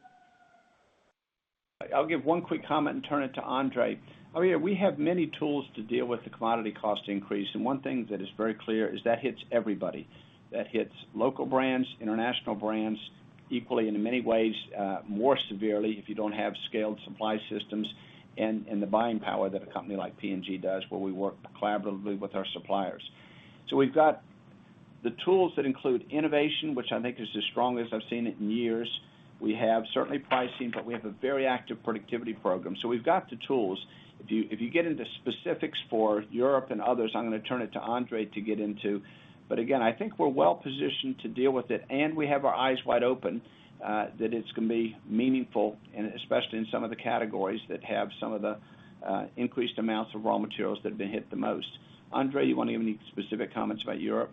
I'll give one quick comment and turn it to Andre. Javier, we have many tools to deal with the commodity cost increase, and one thing that is very clear is that hits everybody. That hits local brands, international brands. Equally, and in many ways, more severely if you don't have scaled supply systems and the buying power that a company like P&G does, where we work collaboratively with our suppliers. We've got the tools that include innovation, which I think is as strong as I've seen it in years. We have certainly pricing, but we have a very active productivity program. We've got the tools. If you get into specifics for Europe and others, I'm going to turn it to Andre to get into. Again, I think we're well-positioned to deal with it, and we have our eyes wide open, that it's going to be meaningful, and especially in some of the categories that have some of the increased amounts of raw materials that have been hit the most. Andre, you want to give any specific comments about Europe?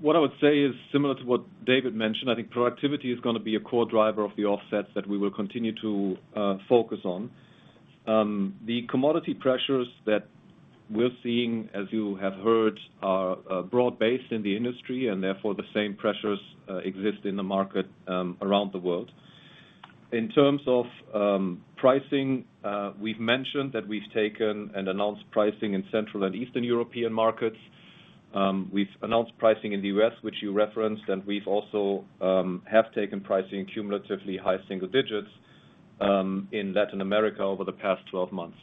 What I would say is similar to what David mentioned. I think productivity is going to be a core driver of the offsets that we will continue to focus on. The commodity pressures that we're seeing, as you have heard, are broad-based in the industry, and therefore, the same pressures exist in the market around the world. In terms of pricing, we've mentioned that we've taken and announced pricing in Central and Eastern European markets. We've announced pricing in the U.S., which you referenced, and we've also have taken pricing cumulatively high single digits in Latin America over the past 12 months.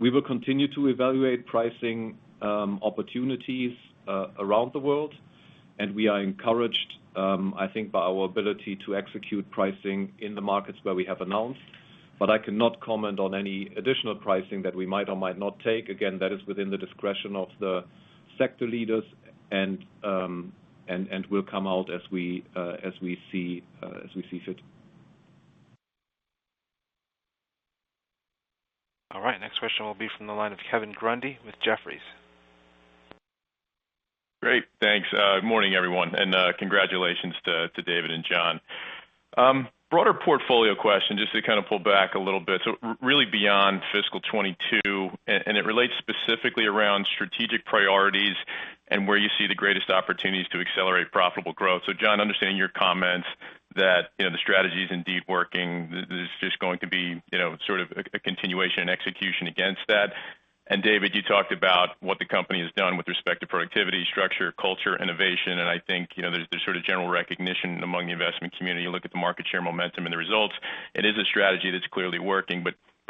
We will continue to evaluate pricing opportunities around the world, and we are encouraged, I think, by our ability to execute pricing in the markets where we have announced. I cannot comment on any additional pricing that we might or might not take. Again, that is within the discretion of the sector leaders, and will come out as we see fit. All right. Next question will be from the line of Kevin Grundy with Jefferies. Great. Thanks. Good morning, everyone, and congratulations to David and Jon. Broader portfolio question, just to kind of pull back a little bit. Really beyond fiscal 2022, and it relates specifically around strategic priorities and where you see the greatest opportunities to accelerate profitable growth. Jon, understanding your comments that the strategy is indeed working, this is just going to be sort of a continuation and execution against that. David, you talked about what the company has done with respect to productivity, structure, culture, innovation, and I think there's sort of general recognition among the investment community. You look at the market share momentum and the results, it is a strategy that's clearly working.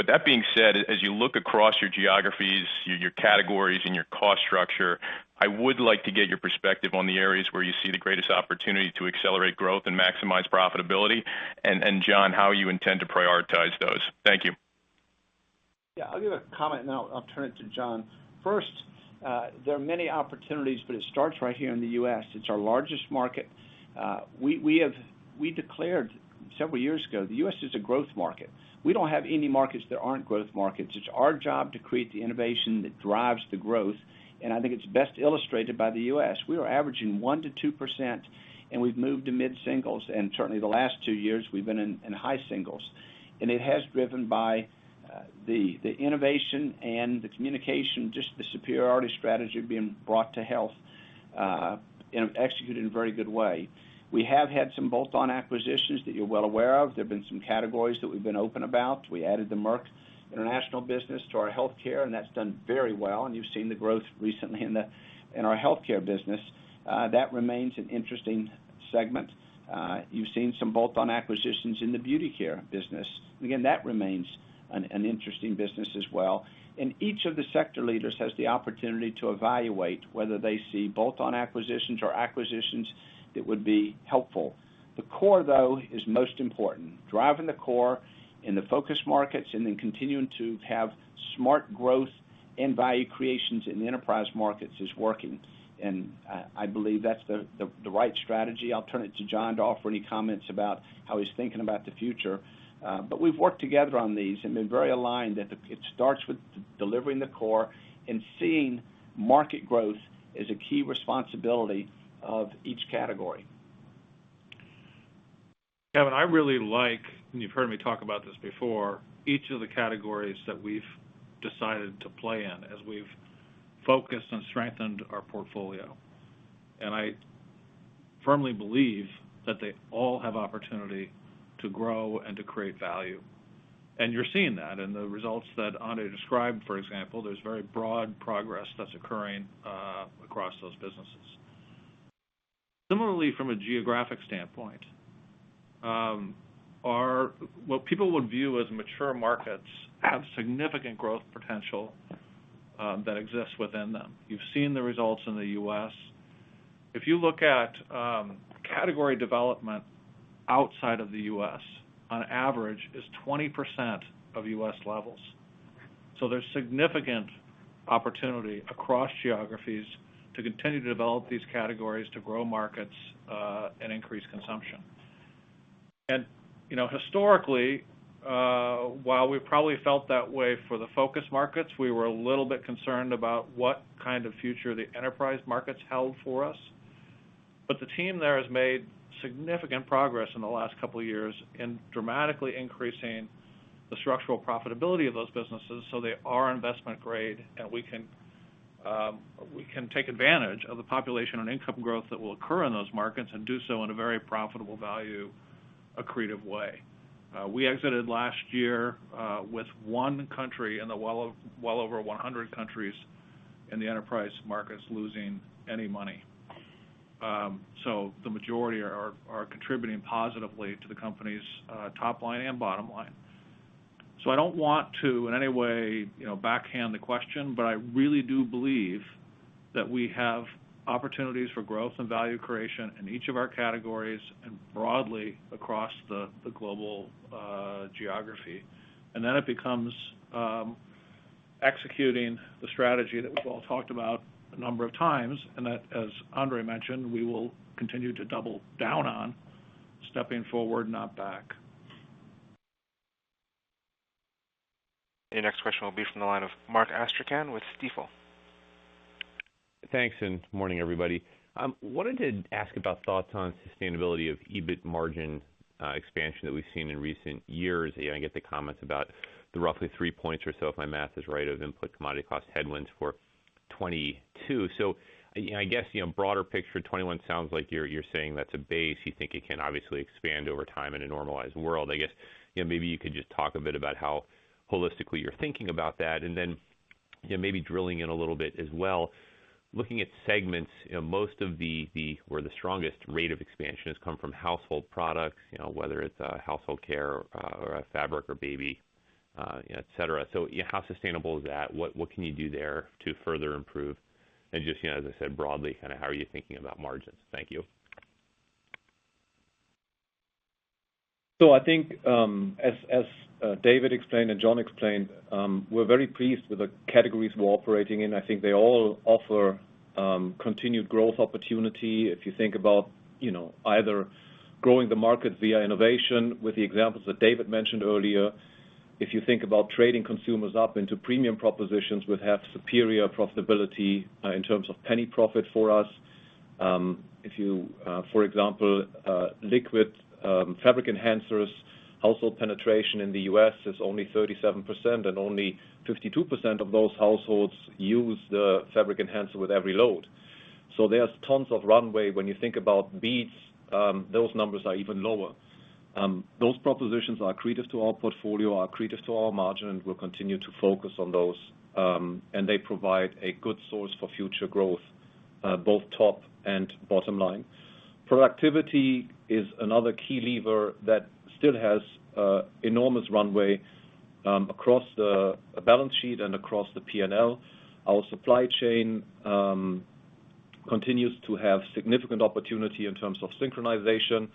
That being said, as you look across your geographies, your categories, and your cost structure, I would like to get your perspective on the areas where you see the greatest opportunity to accelerate growth and maximize profitability. Jon, how you intend to prioritize those. Thank you. Yeah, I'll give a comment and then I'll turn it to Jon. First, there are many opportunities, but it starts right here in the U.S. It's our largest market. We declared several years ago, the U.S. is a growth market. We don't have any markets that aren't growth markets. It's our job to create the innovation that drives the growth, and I think it's best illustrated by the U.S. We were averaging 1%-2%, and we've moved to mid-singles, and certainly the last two years, we've been in high singles. It has driven by the innovation and the communication, just the superiority strategy being brought to health, and executed in a very good way. We have had some bolt-on acquisitions that you're well aware of. There've been some categories that we've been open about. We added the Merck international business to our healthcare, and that's done very well, and you've seen the growth recently in our healthcare business. That remains an interesting segment. You've seen some bolt-on acquisitions in the beauty care business. Again, that remains an interesting business as well. Each of the sector leaders has the opportunity to evaluate whether they see bolt-on acquisitions or acquisitions that would be helpful. The core, though, is most important. Driving the core in the focus markets, then continuing to have smart growth and value creations in the enterprise markets is working. I believe that's the right strategy. I'll turn it to Jon to offer any comments about how he's thinking about the future. We've worked together on these and been very aligned that it starts with delivering the core and seeing market growth as a key responsibility of each category. Kevin, I really like, and you've heard me talk about this before, each of the categories that we've decided to play in as we've focused and strengthened our portfolio. I firmly believe that they all have opportunity to grow and to create value. You're seeing that in the results that Andre described, for example, there's very broad progress that's occurring across those businesses. Similarly, from a geographic standpoint, what people would view as mature markets have significant growth potential that exists within them. You've seen the results in the U.S. If you look at category development outside of the U.S., on average is 20% of U.S. levels. There's significant opportunity across geographies to continue to develop these categories to grow markets, and increase consumption. Historically, while we probably felt that way for the focus markets, we were a little bit concerned about what kind of future the enterprise markets held for us. The team there has made significant progress in the last couple of years in dramatically increasing the structural profitability of those businesses so they are investment grade, and we can take advantage of the population and income growth that will occur in those markets and do so in a very profitable value accretive way. We exited last year with one country in the well over 100 countries in the enterprise markets losing any money. The majority are contributing positively to the company's top line and bottom line. I don't want to, in any way, backhand the question, but I really do believe that we have opportunities for growth and value creation in each of our categories and broadly across the global geography. It becomes executing the strategy that we've all talked about a number of times, and that, as Andre mentioned, we will continue to double down on stepping forward, not back. Your next question will be from the line of Mark Astrachan with Stifel. Thanks, Morning, everybody. Wanted to ask about thoughts on sustainability of EBIT margin expansion that we've seen in recent years. I get the comments about the roughly three points or so, if my math is right, of input commodity cost headwinds for 2022. I guess, broader picture, 2021 sounds like you're saying that's a base. You think it can obviously expand over time in a normalized world. I guess, maybe you could just talk a bit about how holistically you're thinking about that. Maybe drilling in a little bit as well, looking at segments, most of the strongest rate of expansion has come from household products, whether it's household care or fabric or baby, et cetera. How sustainable is that? What can you do there to further improve? Just, as I said, broadly, how are you thinking about margins? Thank you. I think, as David explained and Jon explained, we're very pleased with the categories we're operating in. I think they all offer continued growth opportunity. If you think about either growing the market via innovation with the examples that David mentioned earlier, if you think about trading consumers up into premium propositions would have superior profitability in terms of penny profit for us. If you, for example, liquid fabric enhancers, household penetration in the U.S. is only 37% and only 52% of those households use the fabric enhancer with every load. There's tons of runway. When you think about beads, those numbers are even lower. Those propositions are accretive to our portfolio, are accretive to our margin, and we'll continue to focus on those. They provide a good source for future growth, both top and bottom line. Productivity is another key lever that still has enormous runway across the balance sheet and across the P&L. Our supply chain continues to have significant opportunity in terms of synchronization, but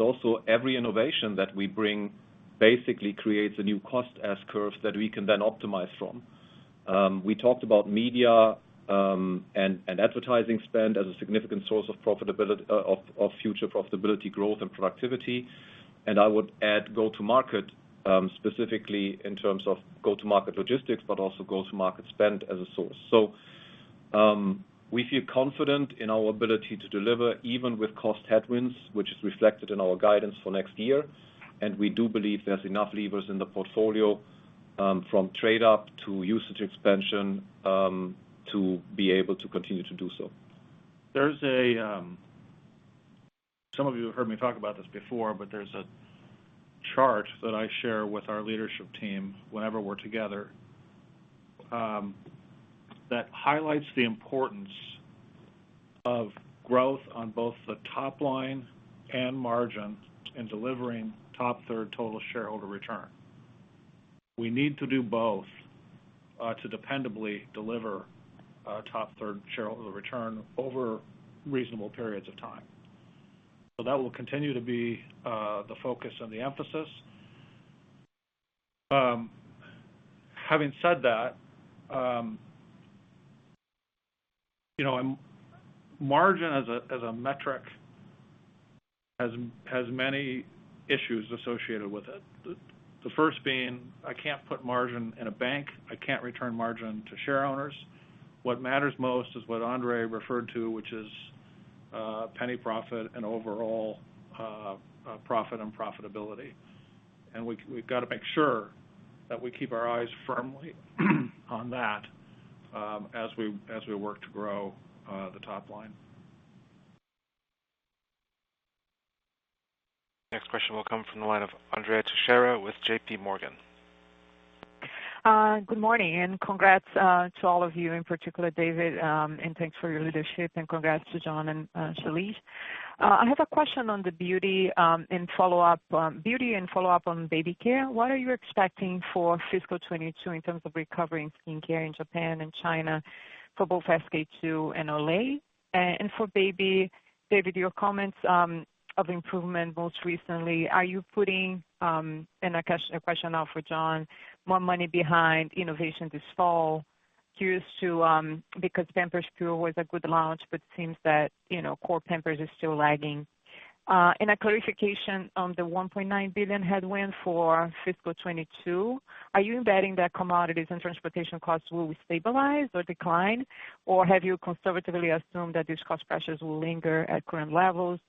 also every innovation that we bring basically creates a new cost S-curve that we can then optimize from. We talked about media, and advertising spend as a significant source of future profitability growth and productivity. I would add go-to-market, specifically in terms of go-to-market logistics, but also go-to-market spend as a source. We feel confident in our ability to deliver, even with cost headwinds, which is reflected in our guidance for next year, and we do believe there's enough levers in the portfolio, from trade up to usage expansion, to be able to continue to do so. Some of you have heard me talk about this before, but there's a chart that I share with our leadership team whenever we're together that highlights the importance of growth on both the top line and margin in delivering top third total shareholder return. We need to do both to dependably deliver top third shareholder return over reasonable periods of time. That will continue to be the focus and the emphasis. Having said that, margin as a metric has many issues associated with it. The first being, I can't put margin in a bank, I can't return margin to share owners. What matters most is what Andre referred to, which is penny profit and overall profit and profitability. We've got to make sure that we keep our eyes firmly on that as we work to grow the top line. Next question will come from the line of Andrea Teixeira with JPMorgan. Good morning, congrats to all of you, in particular, David, thanks for your leadership, congrats to Jon and Shailesh. I have a question on the beauty and follow-up on beauty and follow-up on baby care. What are you expecting for fiscal 2022 in terms of recovering skincare in Japan and China for both SK-II and Olay? For baby, David, your comments of improvement most recently, are you putting, and a question now for Jon, more money behind innovation this fall? Because Pampers Pure was a good launch, but seems that core Pampers is still lagging. A clarification on the $1.9 billion headwind for fiscal 2022. Are you embedding that commodities and transportation costs will stabilize or decline, or have you conservatively assumed that these cost pressures will linger at current levels,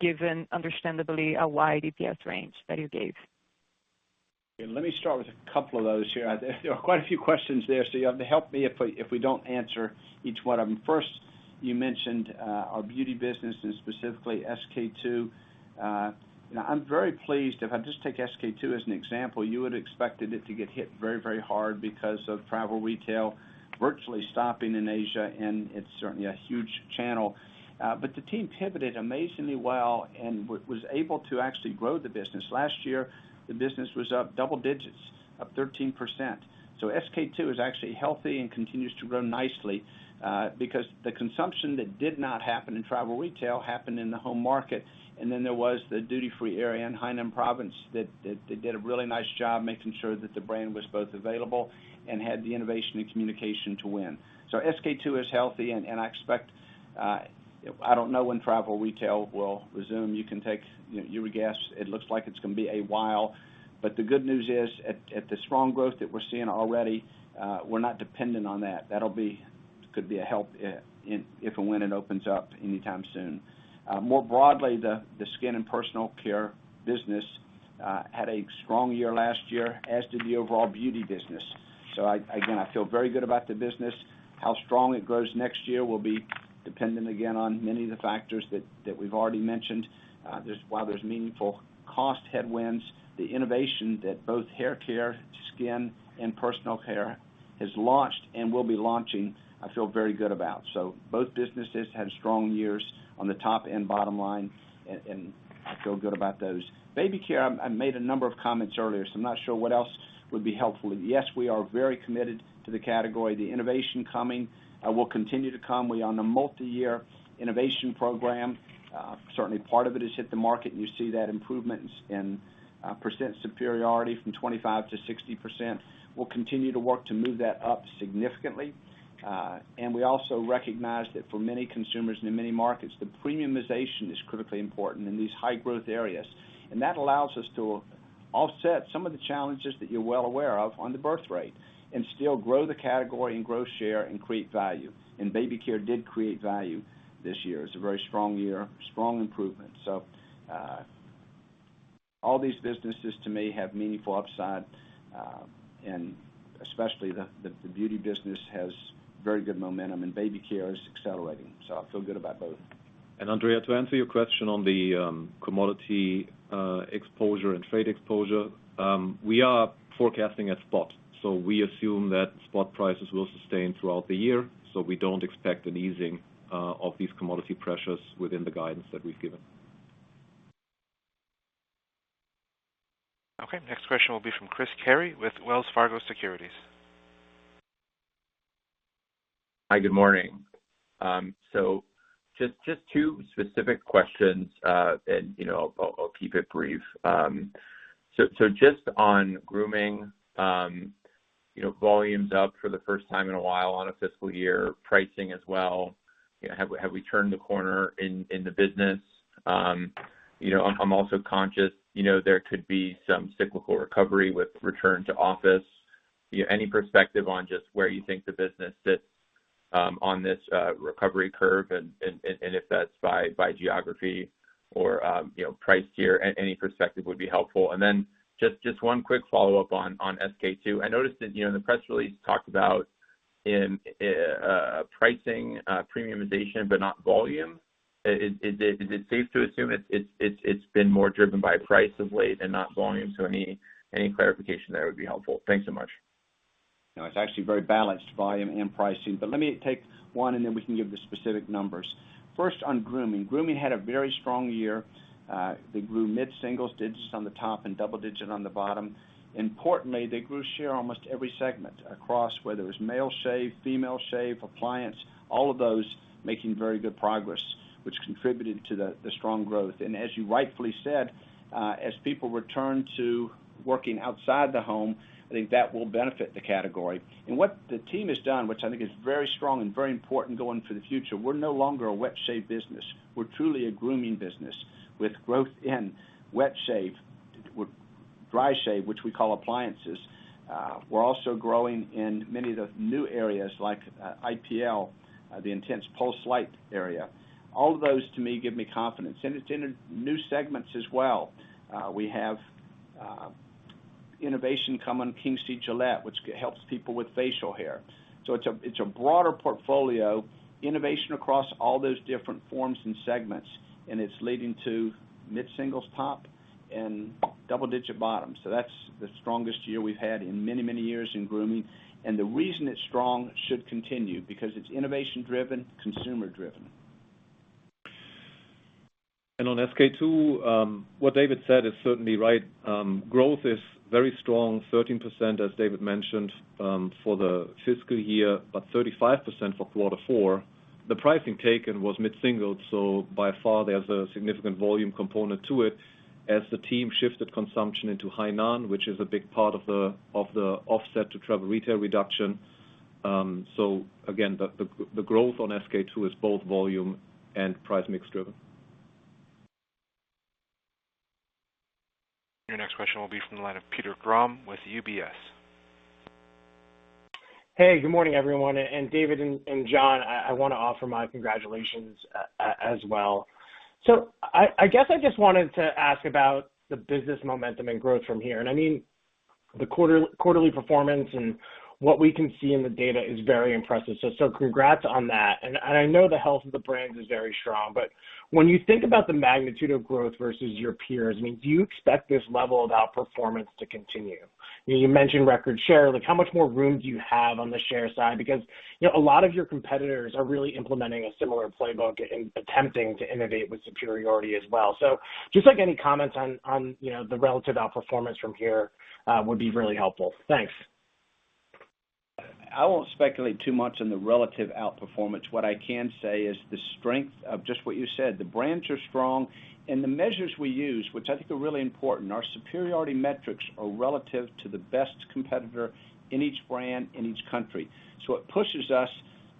given understandably a wide EPS range that you gave? Let me start with a couple of those here. There are quite a few questions there, so you have to help me if we don't answer each one of them. You mentioned our beauty business and specifically SK-II. I'm very pleased. If I just take SK-II as an example, you would expected it to get hit very hard because of travel retail virtually stopping in Asia, and it's certainly a huge channel. The team pivoted amazingly well and was able to actually grow the business. Last year, the business was up double digits, up 13%. SK-II is actually healthy and continues to grow nicely, because the consumption that did not happen in travel retail happened in the home market. There was the duty-free area in Hainan province that did a really nice job making sure that the brand was both available and had the innovation and communication to win. SK-II is healthy, and I don't know when travel retail will resume. You would guess it looks like it's going to be a while. The good news is, at the strong growth that we're seeing already, we're not dependent on that. That could be a help if and when it opens up anytime soon. More broadly, the skin and personal care business had a strong year last year, as did the overall beauty business. Again, I feel very good about the business. How strong it grows next year will be dependent, again, on many of the factors that we've already mentioned. While there's meaningful cost headwinds, the innovation that both haircare, skin, and personal care has launched and will be launching, I feel very good about. Both businesses had strong years on the top and bottom line, and I feel good about those. Baby care, I made a number of comments earlier, so I'm not sure what else would be helpful. Yes, we are very committed to the category. The innovation coming will continue to come. We're on a multi-year innovation program. Certainly, part of it has hit the market, and you see that improvement in percent superiority from 25%-60%. We'll continue to work to move that up significantly. We also recognize that for many consumers in many markets, the premiumization is critically important in these high-growth areas. That allows us to offset some of the challenges that you're well aware of on the birth rate and still grow the category and grow share and create value. Baby care did create value this year. It's a very strong year, strong improvement. All these businesses, to me, have meaningful upside, and especially the beauty business has very good momentum, and baby care is accelerating. I feel good about both. Andrea, to answer your question on the commodity exposure and trade exposure, we are forecasting at spot. We assume that spot prices will sustain throughout the year. We don't expect an easing of these commodity pressures within the guidance that we've given. Okay, next question will be from Chris Carey with Wells Fargo Securities. Hi, good morning. Just two specific questions, and I'll keep it brief. Just on grooming, volume's up for the first time in a while on a fiscal year, pricing as well. Have we turned the corner in the business? I'm also conscious there could be some cyclical recovery with return to office. Any perspective on just where you think the business sits on this recovery curve and if that's by geography or price tier? Any perspective would be helpful. Just one quick follow-up on SK-II. I noticed that in the press release talked about pricing premiumization, but not volume. Is it safe to assume it's been more driven by price of late and not volume? Any clarification there would be helpful. Thanks so much. It's actually very balanced volume and pricing. Let me take one, and then we can give the specific numbers. First on Grooming. Grooming had a very strong year. They grew mid-single digits on the top and double-digit on the bottom. Importantly, they grew share almost every segment across, whether it was male shave, female shave, appliance, all of those making very good progress, which contributed to the strong growth. As you rightfully said, as people return to working outside the home, I think that will benefit the category. What the team has done, which I think is very strong and very important going for the future, we're no longer a wet shave business. We're truly a Grooming business with growth in wet shave, dry shave, which we call appliances. We're also growing in many of the new areas like IPL, the intense pulsed light area. All of those, to me, give me confidence. It's in new segments as well. We have innovation coming, King C. Gillette, which helps people with facial hair. It's a broader portfolio, innovation across all those different forms and segments, and it's leading to mid-singles top and double-digit bottom. That's the strongest year we've had in many years in grooming. The reason it's strong should continue, because it's innovation-driven, consumer-driven. On SK-II, what David said is certainly right. Growth is very strong, 13%, as David mentioned, for the fiscal year, but 35% for quarter four. The pricing taken was mid-singles, so by far, there's a significant volume component to it as the team shifted consumption into Hainan, which is a big part of the offset to travel retail reduction. Again, the growth on SK-II is both volume and price mix driven. Your next question will be from the line of Peter Grom with UBS. Good morning, everyone, and David and Jon, I want to offer my congratulations as well. I guess I just wanted to ask about the business momentum and growth from here. The quarterly performance and what we can see in the data is very impressive. Congrats on that. I know the health of the brands is very strong, but when you think about the magnitude of growth versus your peers, do you expect this level of outperformance to continue? You mentioned record share, how much more room do you have on the share side? A lot of your competitors are really implementing a similar playbook and attempting to innovate with superiority as well. Just any comments on the relative outperformance from here would be really helpful. Thanks. I won't speculate too much on the relative outperformance. What I can say is the strength of just what you said, the brands are strong, and the measures we use, which I think are really important, our superiority metrics are relative to the best competitor in each brand, in each country. It pushes us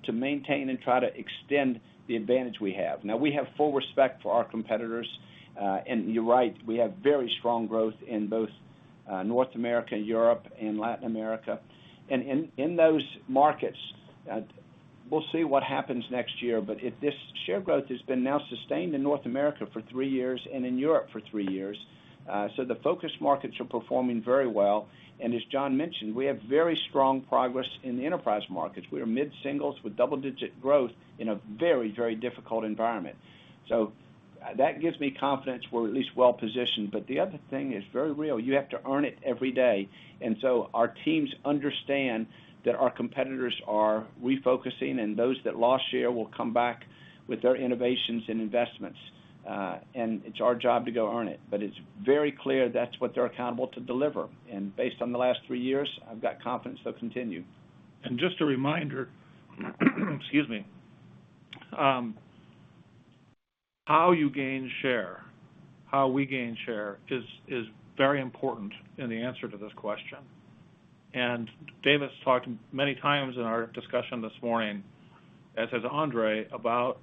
to maintain and try to extend the advantage we have. Now we have full respect for our competitors. You're right, we have very strong growth in both North America, Europe, and Latin America. In those markets, we'll see what happens next year. This share growth has been now sustained in North America for three years and in Europe for three years. The focus markets are performing very well. As Jon mentioned, we have very strong progress in the enterprise markets. We are mid-singles with double-digit growth in a very, very difficult environment. That gives me confidence we're at least well-positioned. The other thing is very real. You have to earn it every day. Our teams understand that our competitors are refocusing, and those that lost share will come back with their innovations and investments. It's our job to go earn it. It's very clear that's what they're accountable to deliver. Based on the last three years, I've got confidence they'll continue. Just a reminder, excuse me. How you gain share, how we gain share is very important in the answer to this question. David talked many times in our discussion this morning, as has Andre, about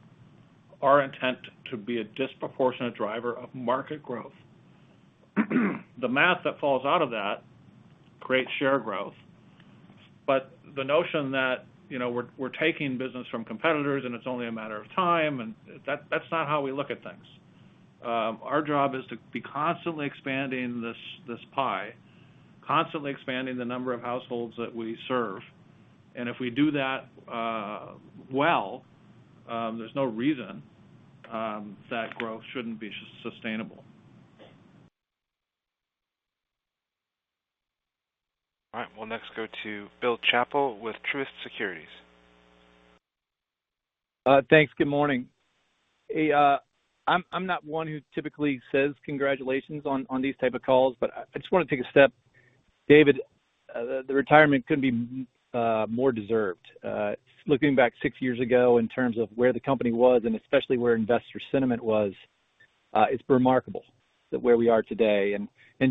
our intent to be a disproportionate driver of market growth. The math that falls out of that creates share growth. The notion that we're taking business from competitors, and it's only a matter of time, that's not how we look at things. Our job is to be constantly expanding this pie, constantly expanding the number of households that we serve. If we do that well, there's no reason that growth shouldn't be sustainable. All right. We'll next go to Bill Chappell with Truist Securities. Thanks. Good morning. I'm not one who typically says congratulations on these type of calls, but I just want to take a step. David, the retirement couldn't be more deserved. Looking back six years ago in terms of where the company was and especially where investor sentiment was, it's remarkable where we are today.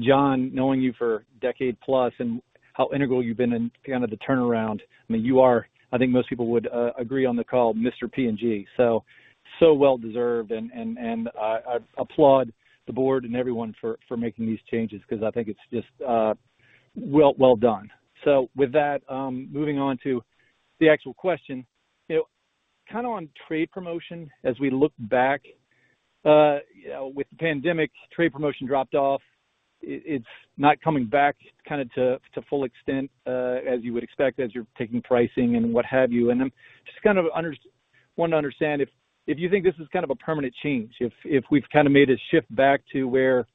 Jon, knowing you for decade plus and how integral you've been in the turnaround, you are, I think most people would agree on the call, Mr. P&G. Well deserved, and I applaud the board and everyone for making these changes because I think it's just well done. With that, moving on to the actual question. On trade promotion, as we look back, with the pandemic, trade promotion dropped off. It's not coming back to full extent, as you would expect, as you're taking pricing and what have you. I just want to understand if you think this is a permanent change, if we've made a shift back to where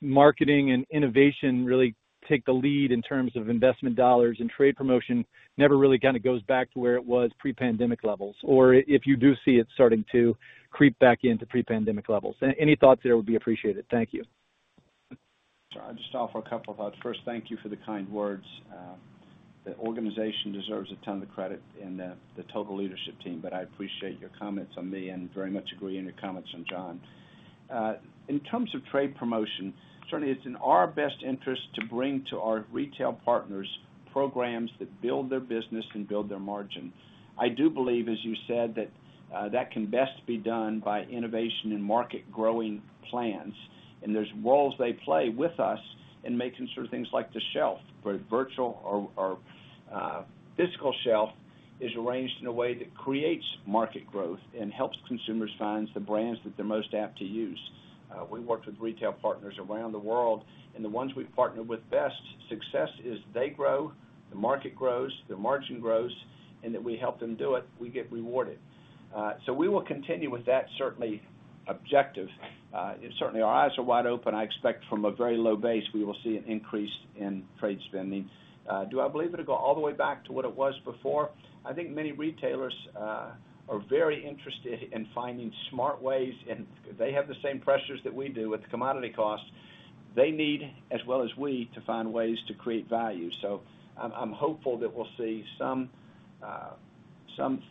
marketing and innovation really take the lead in terms of investment dollars, and trade promotion never really goes back to where it was pre-pandemic levels, or if you do see it starting to creep back into pre-pandemic levels. Any thoughts there would be appreciated. Thank you. Sure. I'll just offer a couple of thoughts. First, thank you for the kind words. The organization deserves a ton of credit and the total leadership team, but I appreciate your comments on me and very much agree on your comments on Jon. In terms of trade promotion, certainly it's in our best interest to bring to our retail partners programs that build their business and build their margin. I do believe, as you said, that can best be done by innovation and market-growing plans, and there's roles they play with us in making sure things like the shelf, both virtual or physical shelf, is arranged in a way that creates market growth and helps consumers find the brands that they're most apt to use. We worked with retail partners around the world, and the ones we partnered with best, success is they grow, the market grows, their margin grows, and that we help them do it, we get rewarded. We will continue with that certainly objective. Certainly, our eyes are wide open. I expect from a very low base, we will see an increase in trade spending. Do I believe it'll go all the way back to what it was before? I think many retailers are very interested in finding smart ways, and they have the same pressures that we do with commodity costs. They need, as well as we, to find ways to create value. I'm hopeful that we'll see some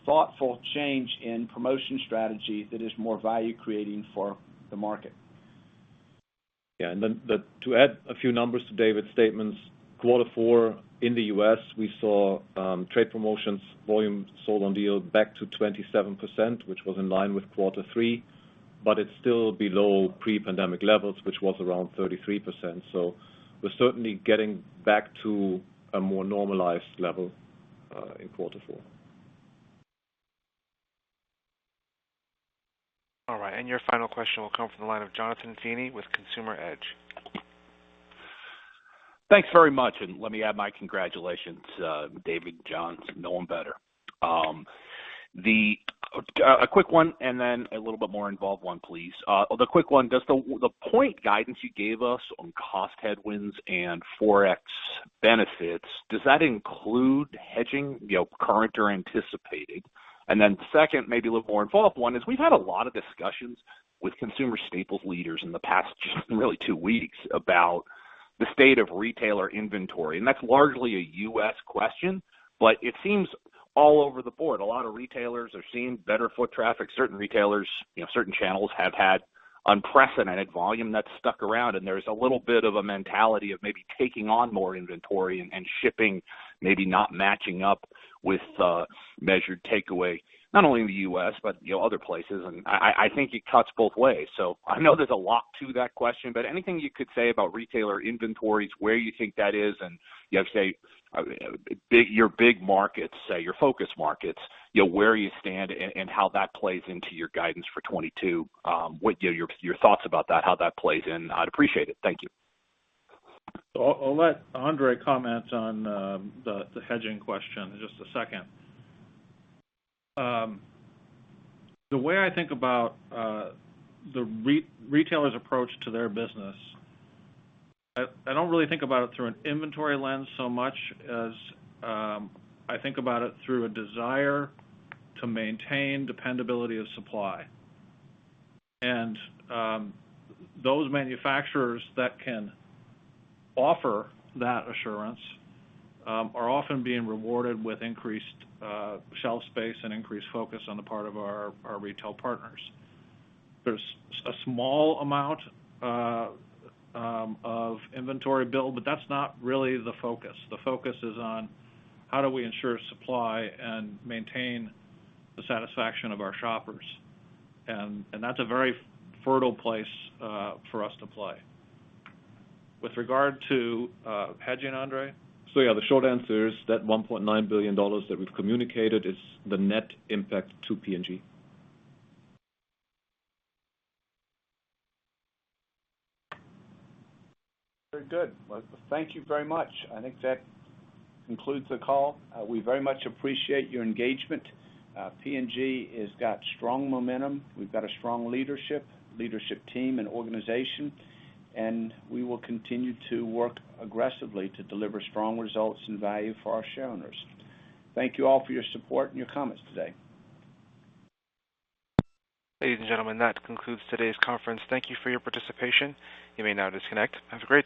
thoughtful change in promotion strategy that is more value-creating for the market. Yeah, to add a few numbers to David's statements, quarter four in the U.S., we saw trade promotions volume sold on deal back to 27%, which was in line with quarter three, but it's still below pre-pandemic levels, which was around 33%. We're certainly getting back to a more normalized level in quarter four. All right, your final question will come from the line of Jonathan Feeney with Consumer Edge. Thanks very much. Let me add my congratulations, David, Jon, to know him better. A quick one, then a little bit more involved one, please. The quick one, does the point guidance you gave us on cost headwinds and Forex benefits, does that include hedging current or anticipated? Then second, maybe a little more involved one, is we've had a lot of discussions with consumer staples leaders in the past just really two weeks about the state of retailer inventory, and that's largely a U.S. question, but it seems all over the board. A lot of retailers are seeing better foot traffic. Certain retailers, certain channels have had unprecedented volume that stuck around, and there's a little bit of a mentality of maybe taking on more inventory and shipping maybe not matching up with measured takeaway, not only in the U.S., but other places. I think it cuts both ways. I know there's a lot to that question, anything you could say about retailer inventories, where you think that is, and your big markets, your focus markets, where you stand and how that plays into your guidance for 2022, what your thoughts about that, how that plays in, I'd appreciate it. Thank you. I'll let Andre comment on the hedging question in just a second. The way I think about the retailer's approach to their business, I don't really think about it through an inventory lens so much as I think about it through a desire to maintain dependability of supply. Those manufacturers that can offer that assurance are often being rewarded with increased shelf space and increased focus on the part of our retail partners. There's a small amount of inventory build, but that's not really the focus. The focus is on how do we ensure supply and maintain the satisfaction of our shoppers. That's a very fertile place for us to play. With regard to hedging, Andre? Yeah, the short answer is that $1.9 billion that we've communicated is the net impact to P&G. Very good. Well, thank you very much. I think that concludes the call. We very much appreciate your engagement. P&G has got strong momentum. We've got a strong leadership team and organization, and we will continue to work aggressively to deliver strong results and value for our shareholders. Thank you all for your support and your comments today. Ladies and gentlemen, that concludes today's conference. Thank you for your participation. You may now disconnect. Have a great day.